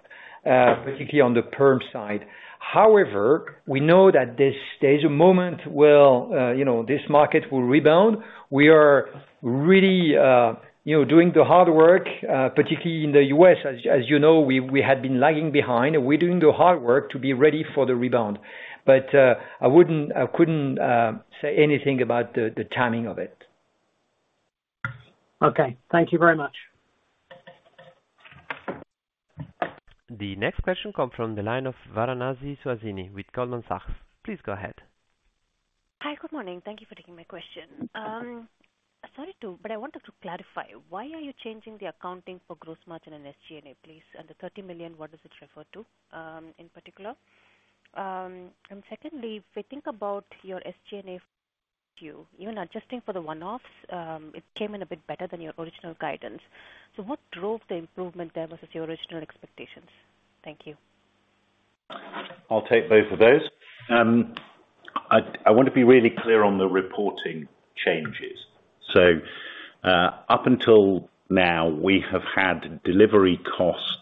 particularly on the Perm side. However, we know that there's a moment where this market will rebound. We are really doing the hard work, particularly in the U.S. As you know, we had been lagging behind, and we're doing the hard work to be ready for the rebound. But I couldn't say anything about the timing of it. Okay. Thank you very much. The next question comes from the line of Suhasini Varanasi with Goldman Sachs. Please go ahead. Hi. Good morning. Thank you for taking my question. Sorry, but I wanted to clarify. Why are you changing the accounting for gross margin and SG&A, please? And the 30 million, what does it refer to in particular? And secondly, if we think about your SG&A for Q, even adjusting for the one-offs, it came in a bit better than your original guidance. So what drove the improvement there versus your original expectations? Thank you. I'll take both of those. I want to be really clear on the reporting changes. So up until now, we have had delivery costs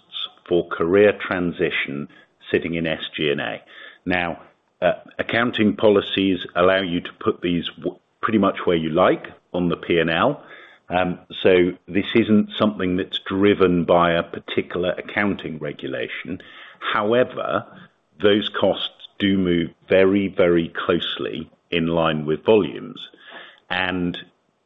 for Career Transition sitting in SG&A. Now, accounting policies allow you to put these pretty much where you like on the P&L. So this isn't something that's driven by a particular accounting regulation. However, those costs do move very, very closely in line with volumes. And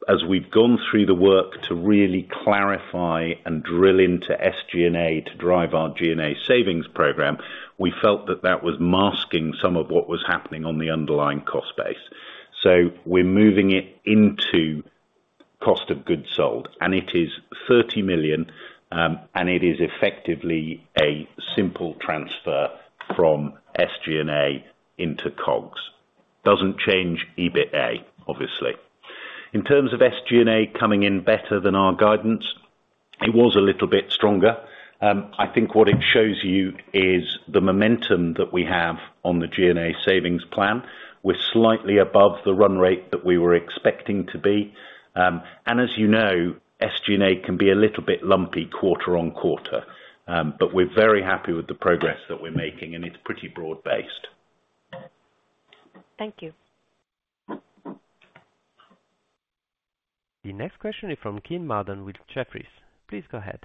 as we've gone through the work to really clarify and drill into SG&A to drive our G&A savings program, we felt that that was masking some of what was happening on the underlying cost base. So we're moving it into cost of goods sold, and it is 30 million, and it is effectively a simple transfer from SG&A into COGS. Doesn't change EBITA, obviously. In terms of SG&A coming in better than our guidance, it was a little bit stronger. I think what it shows you is the momentum that we have on the G&A savings plan. We're slightly above the run rate that we were expecting to be. As you know, SG&A can be a little bit lumpy quarter-on-quarter, but we're very happy with the progress that we're making, and it's pretty broad-based. Thank you. The next question is from Kean Marden with Jefferies. Please go ahead.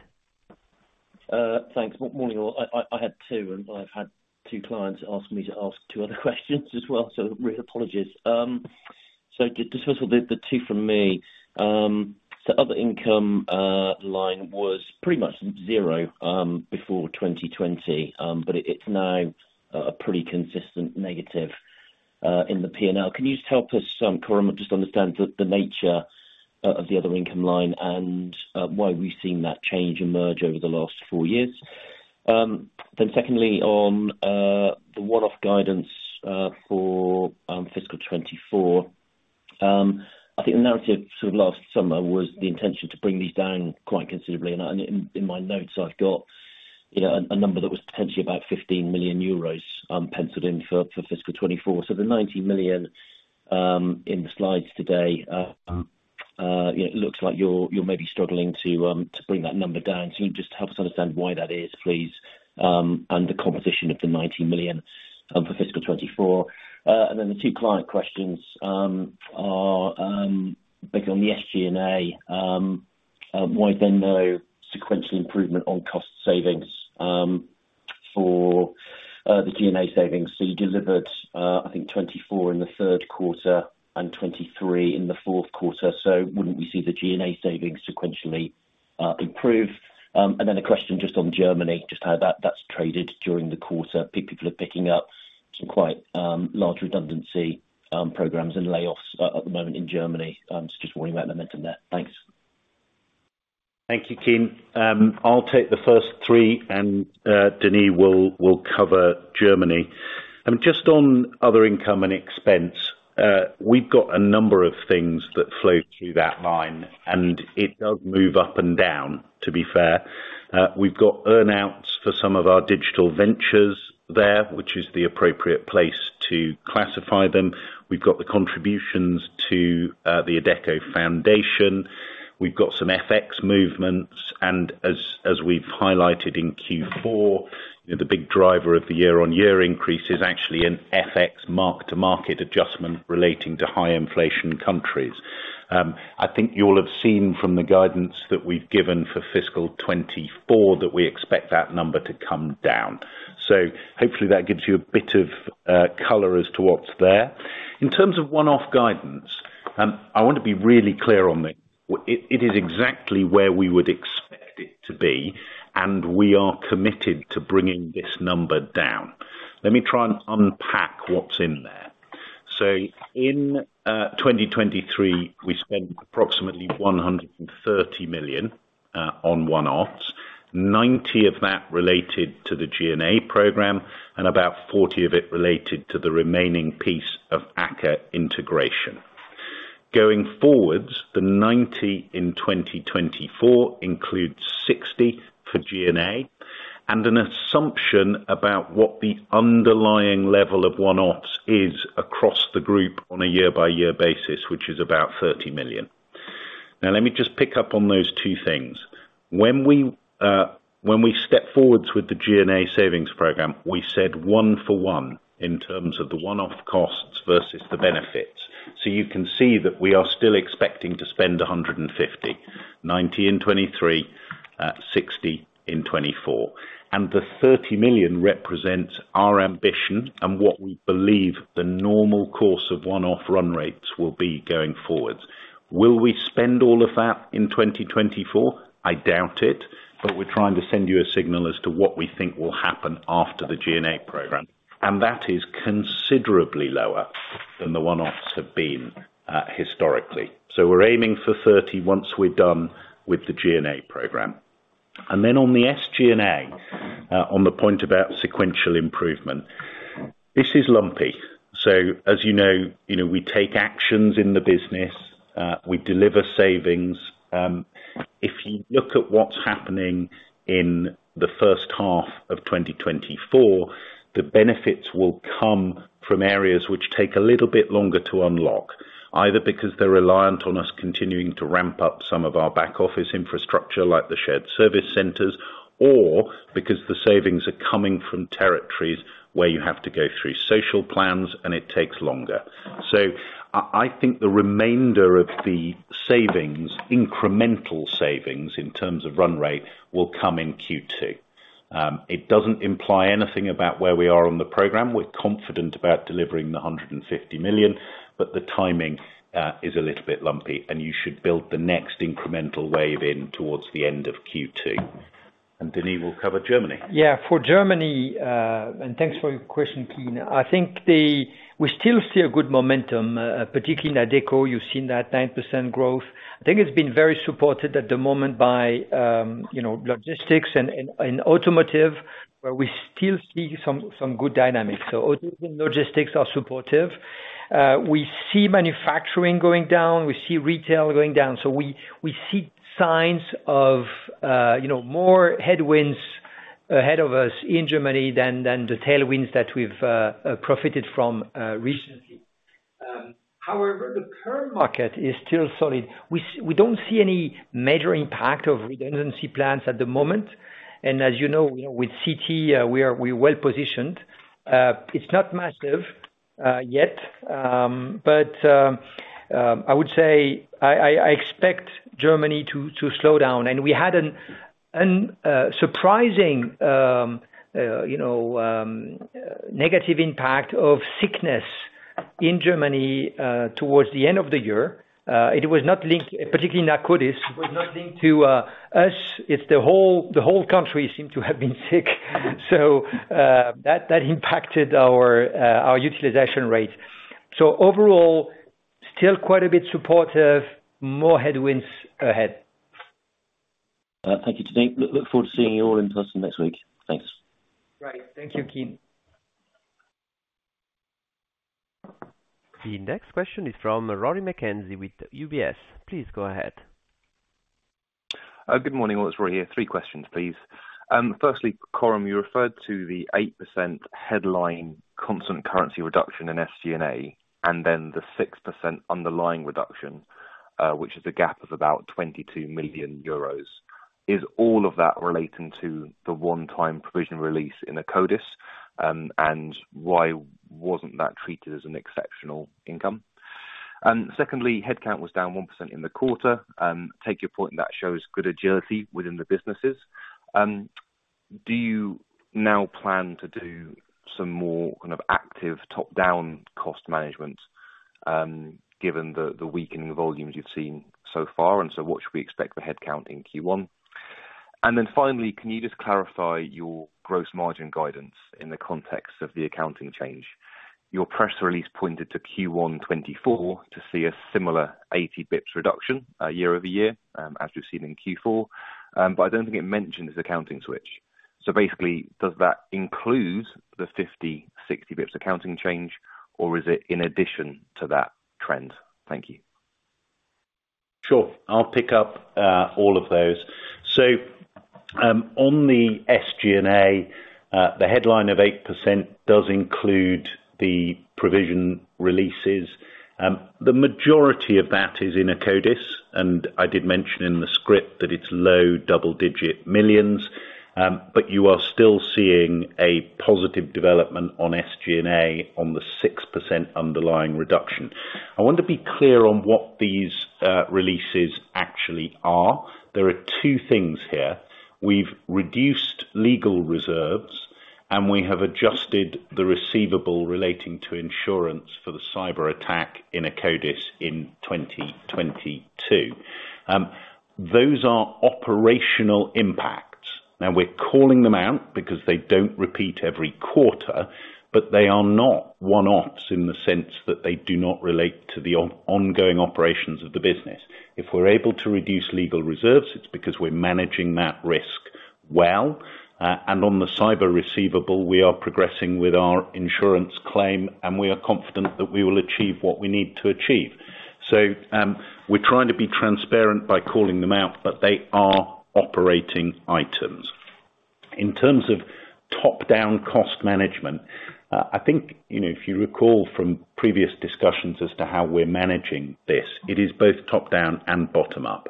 Thanks. Good morning, all. I had two, and I've had two clients ask me to ask two other questions as well, so real apologies. So just first of all, the two from me. So other income line was pretty much zero before 2020, but it's now a pretty consistent negative in the P&L. Can you just help us, Coram, just understand the nature of the other income line and why we've seen that change emerge over the last four years? Then secondly, on the one-off guidance for fiscal 2024, I think the narrative sort of last summer was the intention to bring these down quite considerably. In my notes, I've got a number that was potentially about 15 million euros penciled in for fiscal 2024. So the 90 million in the slides today, it looks like you're maybe struggling to bring that number down. Can you just help us understand why that is, please, and the composition of the 90 million for fiscal 2024? And then the two client questions are based on the SG&A. Why is there no sequential improvement on cost savings for the G&A savings? So you delivered, I think, 2024 in the third quarter and 2023 in the fourth quarter. So wouldn't we see the G&A savings sequentially improve? And then a question just on Germany, just how that's traded during the quarter. People are picking up some quite large redundancy programs and layoffs at the moment in Germany. So just worrying about momentum there. Thanks. Thank you, Kean. I'll take the first three, and Denis will cover Germany. Just on other income and expense, we've got a number of things that flow through that line, and it does move up and down, to be fair. We've got earnouts for some of our digital ventures there, which is the appropriate place to classify them. We've got the contributions to the Adecco Foundation. We've got some FX movements. As we've highlighted in Q4, the big driver of the year-on-year increase is actually an FX mark-to-market adjustment relating to high-inflation countries. I think you all have seen from the guidance that we've given for fiscal 2024 that we expect that number to come down. Hopefully, that gives you a bit of color as to what's there. In terms of one-off guidance, I want to be really clear on this. It is exactly where we would expect it to be, and we are committed to bringing this number down. Let me try and unpack what's in there. So in 2023, we spent approximately 130 million on one-offs, 90 of that related to the G&A program, and about 40 of it related to the remaining piece of AKKA integration. Going forward, the 90 in 2024 includes 60 for G&A and an assumption about what the underlying level of one-offs is across the group on a year-by-year basis, which is about 30 million. Now, let me just pick up on those two things. When we stepped forward with the G&A savings program, we said one for one in terms of the one-off costs versus the benefits. So you can see that we are still expecting to spend 150 million, 90 in 2023, 60 in 2024.bThe 30 million represents our ambition and what we believe the normal course of one-off run rates will be going forward. Will we spend all of that in 2024? I doubt it, but we're trying to send you a signal as to what we think will happen after the G&A program. That is considerably lower than the one-offs have been historically. We're aiming for 30 million once we're done with the G&A program. Then on the SG&A, on the point about sequential improvement, this is lumpy. As you know, we take actions in the business. We deliver savings. If you look at what's happening in the first half of 2024, the benefits will come from areas which take a little bit longer to unlock, either because they're reliant on us continuing to ramp up some of our back-office infrastructure like the shared service centers or because the savings are coming from territories where you have to go through social plans, and it takes longer. So I think the remainder of the savings, incremental savings in terms of run rate, will come in Q2. It doesn't imply anything about where we are on the program. We're confident about delivering the 150 million, but the timing is a little bit lumpy, and you should build the next incremental wave in towards the end of Q2. And Denis will cover Germany. Yeah. For Germany and thanks for your question, Kean. I think we still see a good momentum, particularly in Adecco. You've seen that 9% growth. I think it's been very supported at the moment by logistics and automotive, where we still see some good dynamics. So automotive and logistics are supportive. We see manufacturing going down. We see retail going down. So we see signs of more headwinds ahead of us in Germany than the tailwinds that we've profited from recently. However, the Perm market is still solid. We don't see any major impact of redundancy plans at the moment. And as you know, with CT, we're well-positioned. It's not massive yet, but I would say I expect Germany to slow down. And we had a surprising negative impact of sickness in Germany towards the end of the year. It was not linked particularly in Akkodis. It was not linked to us. The whole country seemed to have been sick. So that impacted our utilization rates. So overall, still quite a bit supportive, more headwinds ahead. Thank you, Denis. Look forward to seeing you all in person next week. Thanks. Great. Thank you, Kean. The next question is from Rory McKenzie with UBS. Please go ahead. Good morning. This is Rory here. Three questions, please. Firstly, Coram, you referred to the 8% headline constant currency reduction in SG&A and then the 6% underlying reduction, which is a gap of about 22 million euros. Is all of that relating to the one-time provisional release in Akkodis, and why wasn't that treated as an exceptional income? Secondly, headcount was down 1% in the quarter. Take your point. That shows good agility within the businesses. Do you now plan to do some more kind of active top-down cost management given the weakening of volumes you've seen so far? And so what should we expect for headcount in Q1? And then finally, can you just clarify your gross margin guidance in the context of the accounting change? Your press release pointed to Q1 2024 to see a similar 80 basis points reduction year-over-year as we've seen in Q4, but I don't think it mentioned this accounting switch. So basically, does that include the 50-60 basis points accounting change, or is it in addition to that trend? Thank you. Sure. I'll pick up all of those. So on the SG&A, the headline of 8% does include the provision releases. The majority of that is in Akkodis. And I did mention in the script that it's low double-digit millions, but you are still seeing a positive development on SG&A on the 6% underlying reduction. I want to be clear on what these releases actually are. There are two things here. We've reduced legal reserves, and we have adjusted the receivable relating to insurance for the cyberattack in Akkodis in 2022. Those are operational impacts. Now, we're calling them out because they don't repeat every quarter, but they are not one-offs in the sense that they do not relate to the ongoing operations of the business. If we're able to reduce legal reserves, it's because we're managing that risk well. And on the cyber receivable, we are progressing with our insurance claim, and we are confident that we will achieve what we need to achieve. So we're trying to be transparent by calling them out, but they are operating items. In terms of top-down cost management, I think if you recall from previous discussions as to how we're managing this, it is both top-down and bottom-up.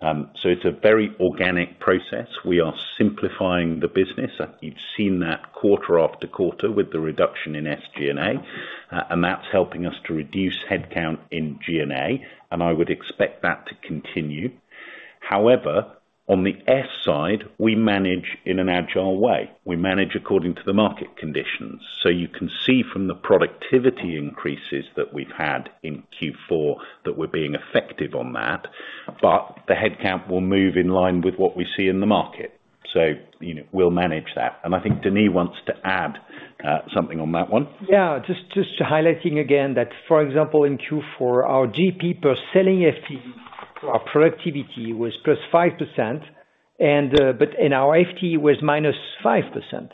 So it's a very organic process. We are simplifying the business. You've seen that quarter after quarter with the reduction in SG&A, and that's helping us to reduce headcount in G&A. And I would expect that to continue. However, on the S side, we manage in an agile way. We manage according to the market conditions. So you can see from the productivity increases that we've had in Q4 that we're being effective on that, but the headcount will move in line with what we see in the market. So we'll manage that. And I think Denis wants to add something on that one. Yeah. Just highlighting again that, for example, in Q4, our GP per selling FTE, our productivity, was +5%, but in our FTE, it was -5%.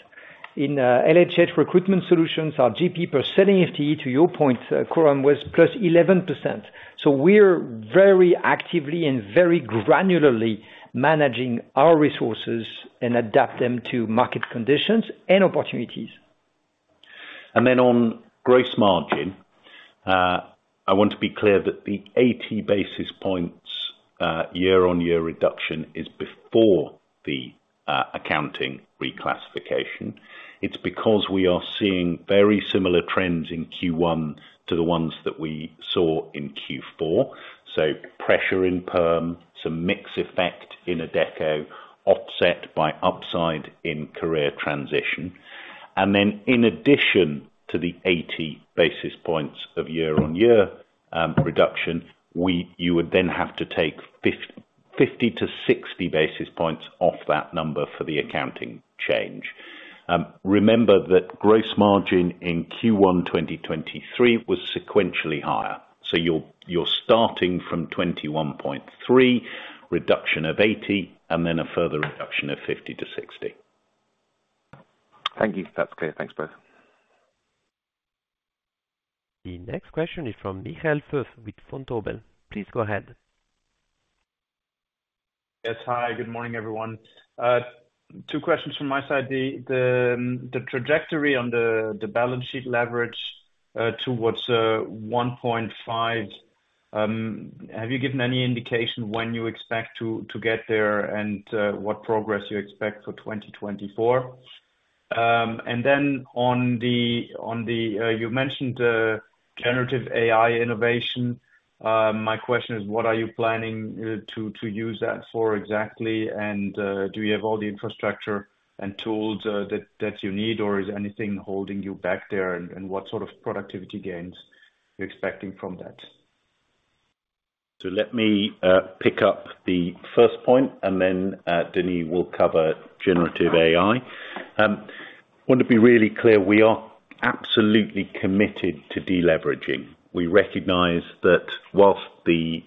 In LHH Recruitment Solutions, our GP per selling FTE, to your point, Coram, was +11%. So we're very actively and very granularly managing our resources and adapt them to market conditions and opportunities. And then on gross margin, I want to be clear that the 80 basis points year-on-year reduction is before the accounting reclassification. It's because we are seeing very similar trends in Q1 to the ones that we saw in Q4. So pressure in Perm, some mix effect in Adecco, offset by upside in Career Transition. And then in addition to the 80 basis points of year-on-year reduction, you would then have to take 50 to 60 basis points off that number for the accounting change. Remember that gross margin in Q1 2023 was sequentially higher. So you're starting from 21.3, reduction of 80, and then a further reduction of 50 to 60. Thank you. That's clear. Thanks, both. The next question is from Michael Foeth with Vontobel. Please go ahead. Yes. Hi. Good morning, everyone. Two questions from my side. The trajectory on the balance sheet leverage towards 1.5, have you given any indication when you expect to get there and what progress you expect for 2024? And then on the you mentioned generative AI innovation. My question is, what are you planning to use that for exactly, and do you have all the infrastructure and tools that you need, or is anything holding you back there, and what sort of productivity gains you're expecting from that? So let me pick up the first point, and then Denis will cover generative AI. I want to be really clear. We are absolutely committed to deleveraging. We recognize that while the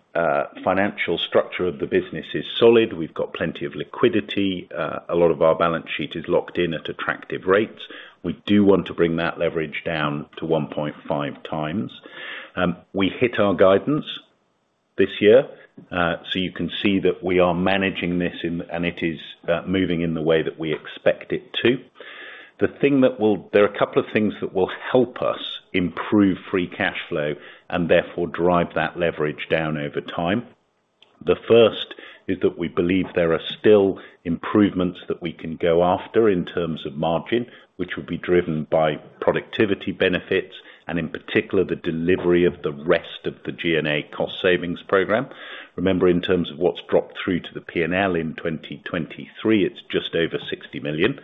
financial structure of the business is solid, we've got plenty of liquidity, a lot of our balance sheet is locked in at attractive rates. We do want to bring that leverage down to 1.5 times. We hit our guidance this year, so you can see that we are managing this, and it is moving in the way that we expect it to. There are a couple of things that will help us improve free cash flow and therefore drive that leverage down over time. The first is that we believe there are still improvements that we can go after in terms of margin, which will be driven by productivity benefits and, in particular, the delivery of the rest of the G&A cost savings program. Remember, in terms of what's dropped through to the P&L in 2023, it's just over 60 million.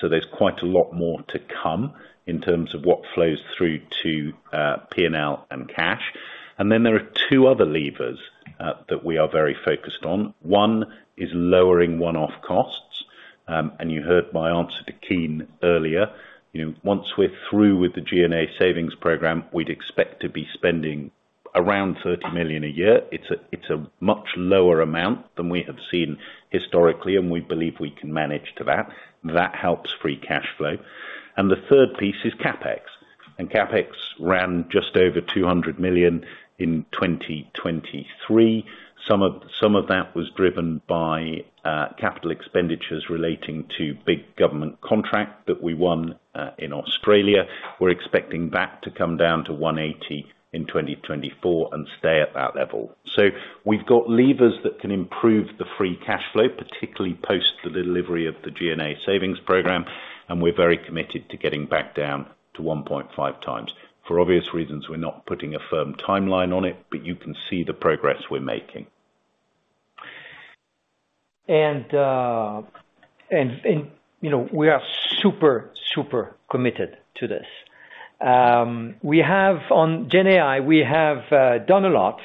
So there's quite a lot more to come in terms of what flows through to P&L and cash. And then there are two other levers that we are very focused on. One is lowering one-off costs. You heard my answer to Kean earlier. Once we're through with the G&A savings program, we'd expect to be spending around 30 million a year. It's a much lower amount than we have seen historically, and we believe we can manage to that. That helps free cash flow. The third piece is CapEx. CapEx ran just over 200 million in 2023. Some of that was driven by capital expenditures relating to big government contracts that we won in Australia. We're expecting that to come down to 180 million in 2024 and stay at that level. So we've got levers that can improve the free cash flow, particularly post the delivery of the G&A savings program, and we're very committed to getting back down to 1.5 times. For obvious reasons, we're not putting a firm timeline on it, but you can see the progress we're making. We are super, super committed to this. On GenAI, we have done a lot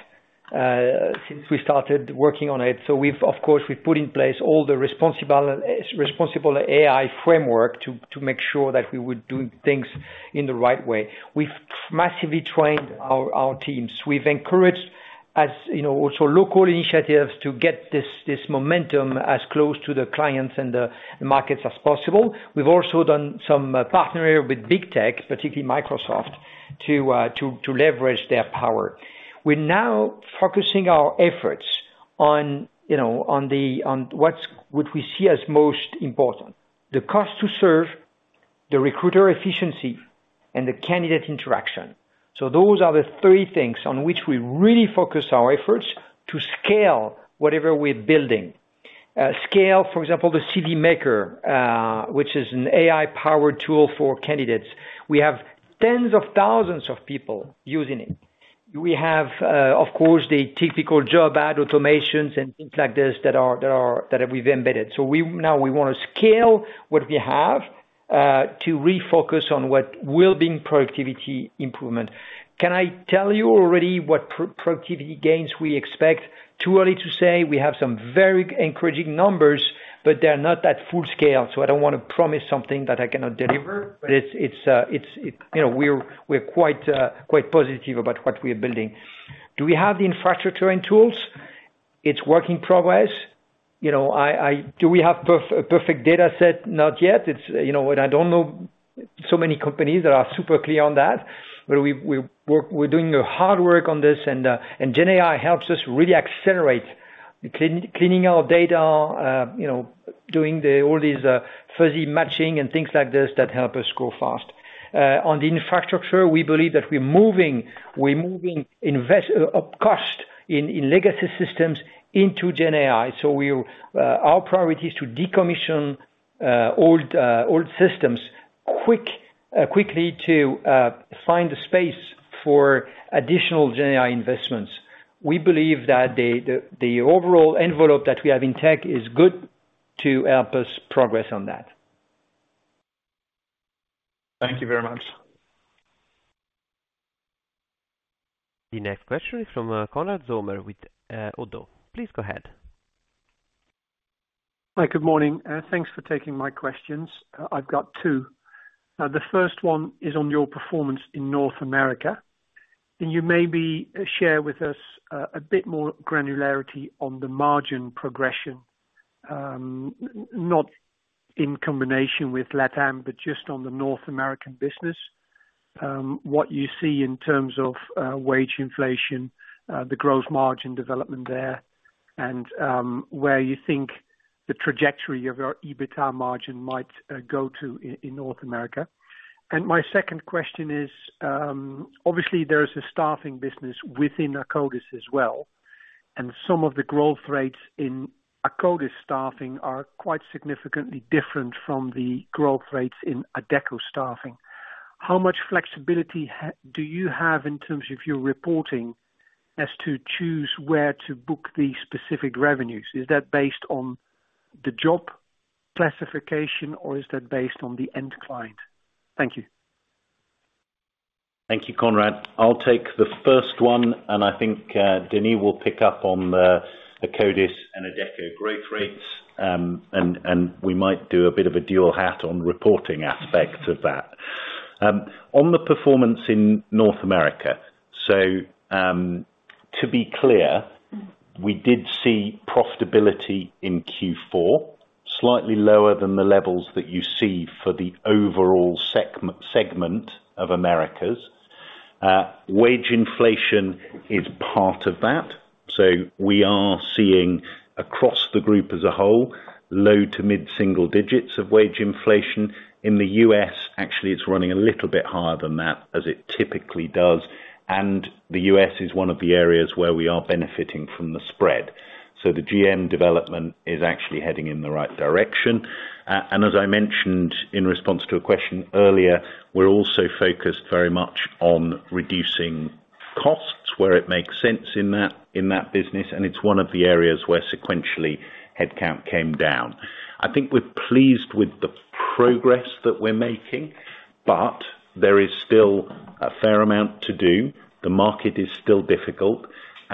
since we started working on it. Of course, we've put in place all the responsible AI framework to make sure that we were doing things in the right way. We've massively trained our teams. We've encouraged also local initiatives to get this momentum as close to the clients and the markets as possible. We've also done some partnership with big tech, particularly Microsoft, to leverage their power. We're now focusing our efforts on what would we see as most important: the cost to serve, the recruiter efficiency, and the candidate interaction. Those are the three things on which we really focus our efforts to scale whatever we're building. Scale, for example, the CV Maker, which is an AI-powered tool for candidates. We have tens of thousands of people using it. We have, of course, the typical job ad automations and things like this that we've embedded. So now we want to scale what we have to refocus on what will be productivity improvement. Can I tell you already what productivity gains we expect? Too early to say. We have some very encouraging numbers, but they're not at full scale. So I don't want to promise something that I cannot deliver, but we're quite positive about what we are building. Do we have the infrastructure and tools? It's work in progress. Do we have a perfect dataset? Not yet. I don't know so many companies that are super clear on that, but we're doing the hard work on this, and GenAI helps us really accelerate cleaning our data, doing all these fuzzy matching and things like this that help us go fast. On the infrastructure, we believe that we're moving cost in legacy systems into GenAI. Our priority is to decommission old systems quickly to find the space for additional GenAI investments. We believe that the overall envelope that we have in tech is good to help us progress on that. Thank you very much. The next question is from Konrad Zomer with Oddo BHF. Please go ahead. Hi. Good morning. Thanks for taking my questions. I've got two. The first one is on your performance in North America. You maybe share with us a bit more granularity on the margin progression, not in combination with LATAM, but just on the North America business, what you see in terms of wage inflation, the gross margin development there, and where you think the trajectory of our EBITDA margin might go to in North America. My second question is, obviously, there is a staffing business within Akkodis as well, and some of the growth rates in Akkodis staffing are quite significantly different from the growth rates in Adecco staffing. How much flexibility do you have in terms of your reporting as to choose where to book the specific revenues? Is that based on the job classification, or is that based on the end client? Thank you. Thank you, Konrad. I'll take the first one, and I think Denis will pick up on the Akkodis and Adecco growth rates, and we might do a bit of a dual hat on reporting aspects of that. On the performance in North America, so to be clear, we did see profitability in Q4 slightly lower than the levels that you see for the overall segment of Americas. Wage inflation is part of that. So we are seeing across the group as a whole low to mid-single digits of wage inflation. In the U.S., actually, it's running a little bit higher than that as it typically does. And the U.S. is one of the areas where we are benefiting from the spread. So the GM development is actually heading in the right direction. As I mentioned in response to a question earlier, we're also focused very much on reducing costs where it makes sense in that business, and it's one of the areas where sequentially headcount came down. I think we're pleased with the progress that we're making, but there is still a fair amount to do. The market is still difficult.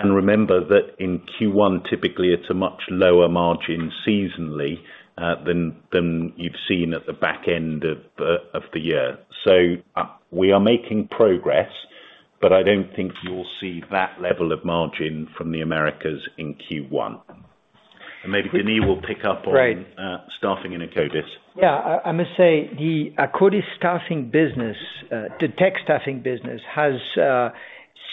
Remember that in Q1, typically, it's a much lower margin seasonally than you've seen at the back end of the year. So we are making progress, but I don't think you'll see that level of margin from the Americas in Q1. Maybe Denis will pick up on staffing in Akkodis. Yeah. I must say the Akkodis staffing business, the tech staffing business, has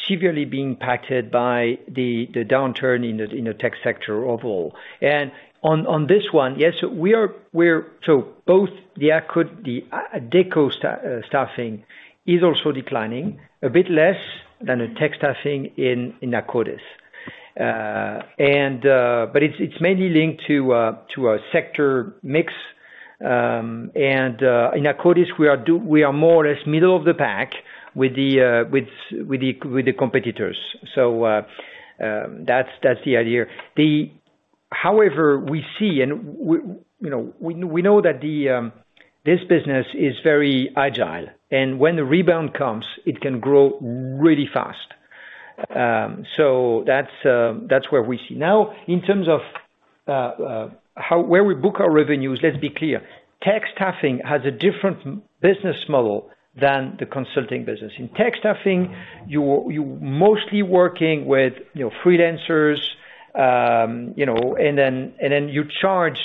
severely been impacted by the downturn in the tech sector overall. And on this one, yes, we are so both the Adecco staffing is also declining, a bit less than the tech staffing in Akkodis. But it's mainly linked to a sector mix. And in Akkodis, we are more or less middle of the pack with the competitors. So that's the idea. However, we see and we know that this business is very agile, and when the rebound comes, it can grow really fast. So that's where we see. Now, in terms of where we book our revenues, let's be clear. Tech staffing has a different business model than the consulting business. In tech staffing, you're mostly working with freelancers, and then you charge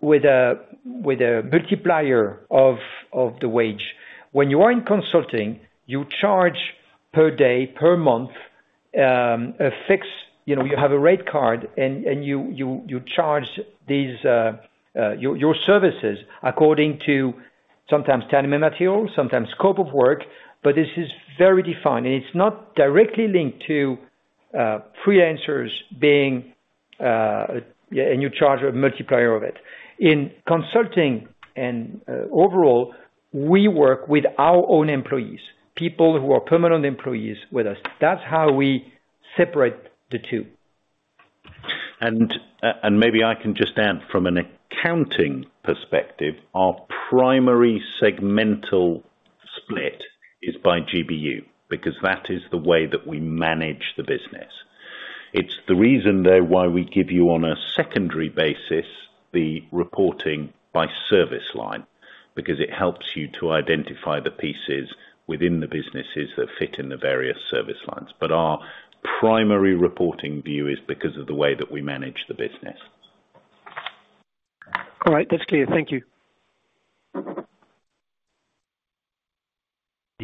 with a multiplier of the wage. When you are in consulting, you charge per day, per month, a fixed. You have a rate card, and you charge your services according to sometimes time and material, sometimes scope of work, but this is very defined. It's not directly linked to freelancers being, and you charge a multiplier of it. In consulting and overall, we work with our own employees, people who are permanent employees with us. That's how we separate the two. Maybe I can just add from an accounting perspective, our primary segmental split is by GBU because that is the way that we manage the business. It's the reason though why we give you on a secondary basis the reporting by service line because it helps you to identify the pieces within the businesses that fit in the various service lines. But our primary reporting view is because of the way that we manage the business. All right. That's clear. Thank you. The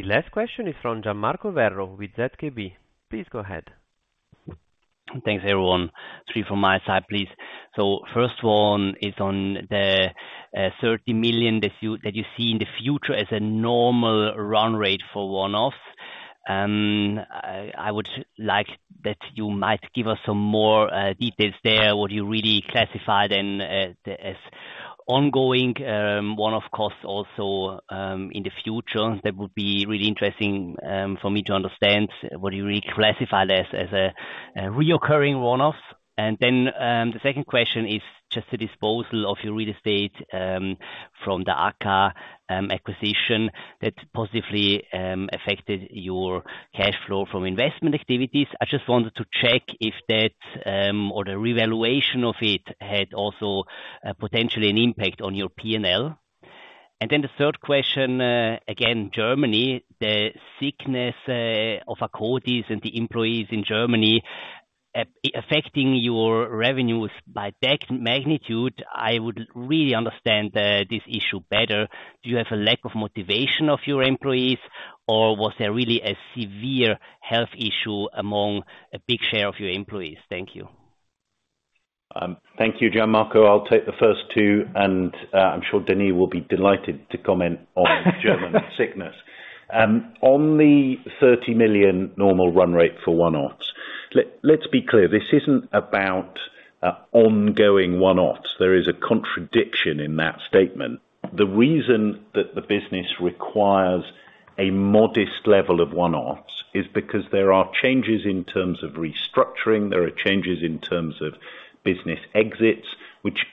last question is from Gian Marco Werro with ZKB. Please go ahead. Thanks, everyone. Three from my side, please. So first one is on the 30 million that you see in the future as a normal run rate for one-offs. I would like that you might give us some more details there, what you really classify then as ongoing one-off costs also in the future. That would be really interesting for me to understand what you really classify as recurring one-offs. And then the second question is just the disposal of your real estate from the AKKA acquisition that positively affected your cash flow from investment activities. I just wanted to check if that or the revaluation of it had also potentially an impact on your P&L. And then the third question, again, Germany, the sickness of Akkodis and the employees in Germany affecting your revenues by that magnitude. I would really understand this issue better. Do you have a lack of motivation of your employees, or was there really a severe health issue among a big share of your employees? Thank you. Thank you, Gian Marco. I'll take the first two, and I'm sure Denis will be delighted to comment on German sickness. On the 30 million normal run rate for one-offs, let's be clear. This isn't about ongoing one-offs. There is a contradiction in that statement. The reason that the business requires a modest level of one-offs is because there are changes in terms of restructuring. There are changes in terms of business exits, which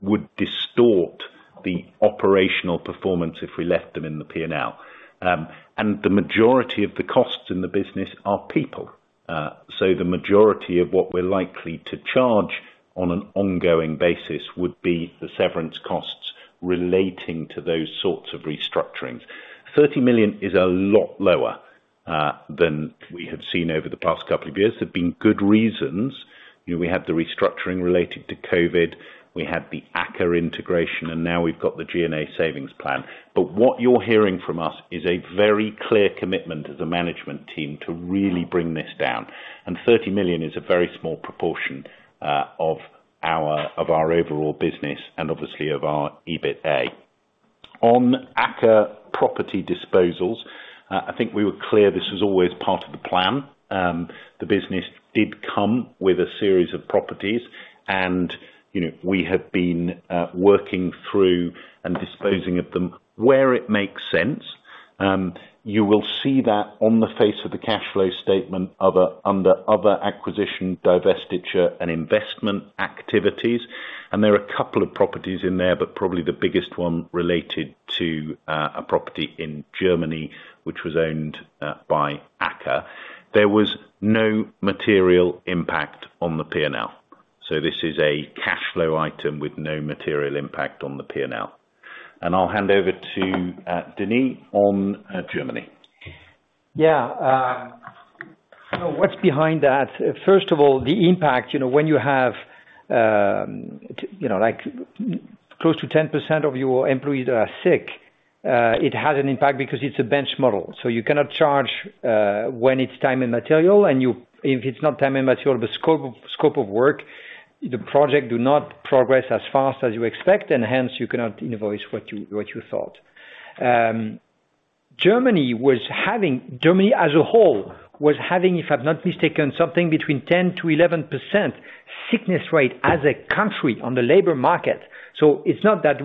would distort the operational performance if we left them in the P&L. The majority of the costs in the business are people. So the majority of what we're likely to charge on an ongoing basis would be the severance costs relating to those sorts of restructurings. 30 million is a lot lower than we have seen over the past couple of years. There've been good reasons. We had the restructuring related to COVID. We had the AKKA integration, and now we've got the G&A savings plan. But what you're hearing from us is a very clear commitment as a management team to really bring this down. And 30 million is a very small proportion of our overall business and obviously of our EBITA. On AKKA property disposals, I think we were clear this was always part of the plan. The business did come with a series of properties, and we have been working through and disposing of them where it makes sense. You will see that on the face of the cash flow statement under other acquisition, divestiture, and investment activities. There are a couple of properties in there, but probably the biggest one related to a property in Germany, which was owned by AKKA. There was no material impact on the P&L. This is a cash flow item with no material impact on the P&L. I'll hand over to Denis on Germany. Yeah. What's behind that? First of all, the impact, when you have close to 10% of your employees that are sick, it has an impact because it's a bench model. So you cannot charge when it's time and material. If it's not time and material but scope of work, the project does not progress as fast as you expect, and hence, you cannot invoice what you thought. Germany as a whole was having, if I'm not mistaken, something between 10%-11% sickness rate as a country on the labor market. It's not that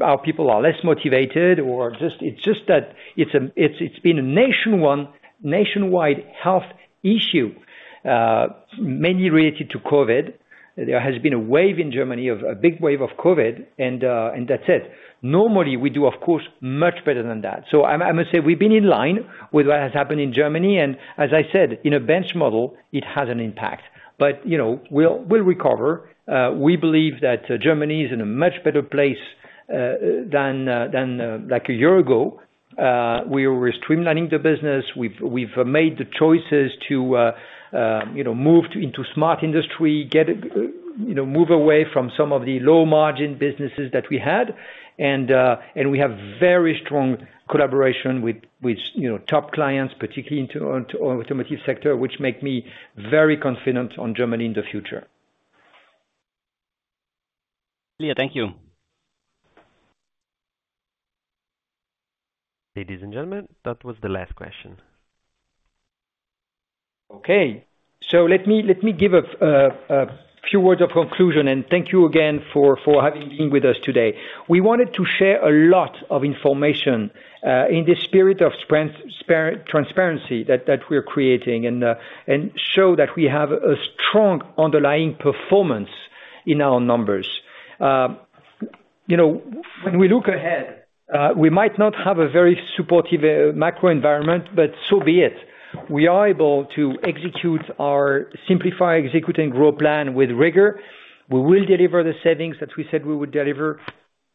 our people are less motivated, or it's just that it's been a nationwide health issue, mainly related to COVID. There has been a wave in Germany, a big wave of COVID, and that's it. Normally, we do, of course, much better than that. I must say we've been in line with what has happened in Germany. As I said, in a bench model, it has an impact. But we'll recover. We believe that Germany is in a much better place than a year ago. We were streamlining the business. We've made the choices to move into Smart Industry, move away from some of the low-margin businesses that we had. We have very strong collaboration with top clients, particularly in the automotive sector, which make me very confident on Germany in the future. Thank you. Ladies and gentlemen, that was the last question. Okay. Let me give a few words of conclusion, and thank you again for having been with us today. We wanted to share a lot of information in the spirit of transparency that we're creating and show that we have a strong underlying performance in our numbers. When we look ahead, we might not have a very supportive macro environment, but so be it. We are able to Simplify, Execute, and Grow plan with rigor. We will deliver the savings that we said we would deliver.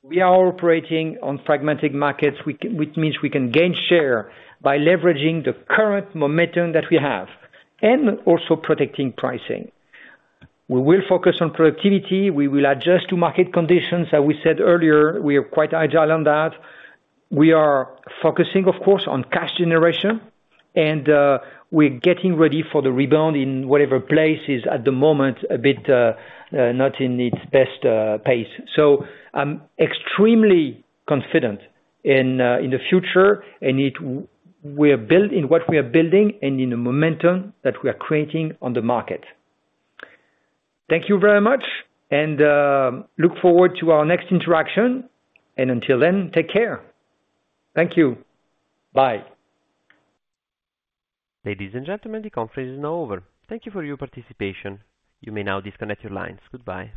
We are operating on fragmented markets, which means we can gain share by leveraging the current momentum that we have and also protecting pricing. We will focus on productivity. We will adjust to market conditions. As we said earlier, we are quite agile on that. We are focusing, of course, on cash generation, and we're getting ready for the rebound in whatever place is at the moment a bit not in its best pace. So I'm extremely confident in the future and in what we are building and in the momentum that we are creating on the market. Thank you very much, and look forward to our next interaction. And until then, take care. Thank you. Bye. Ladies and gentlemen, the conference is now over. Thank you for your participation. You may now disconnect your lines. Goodbye.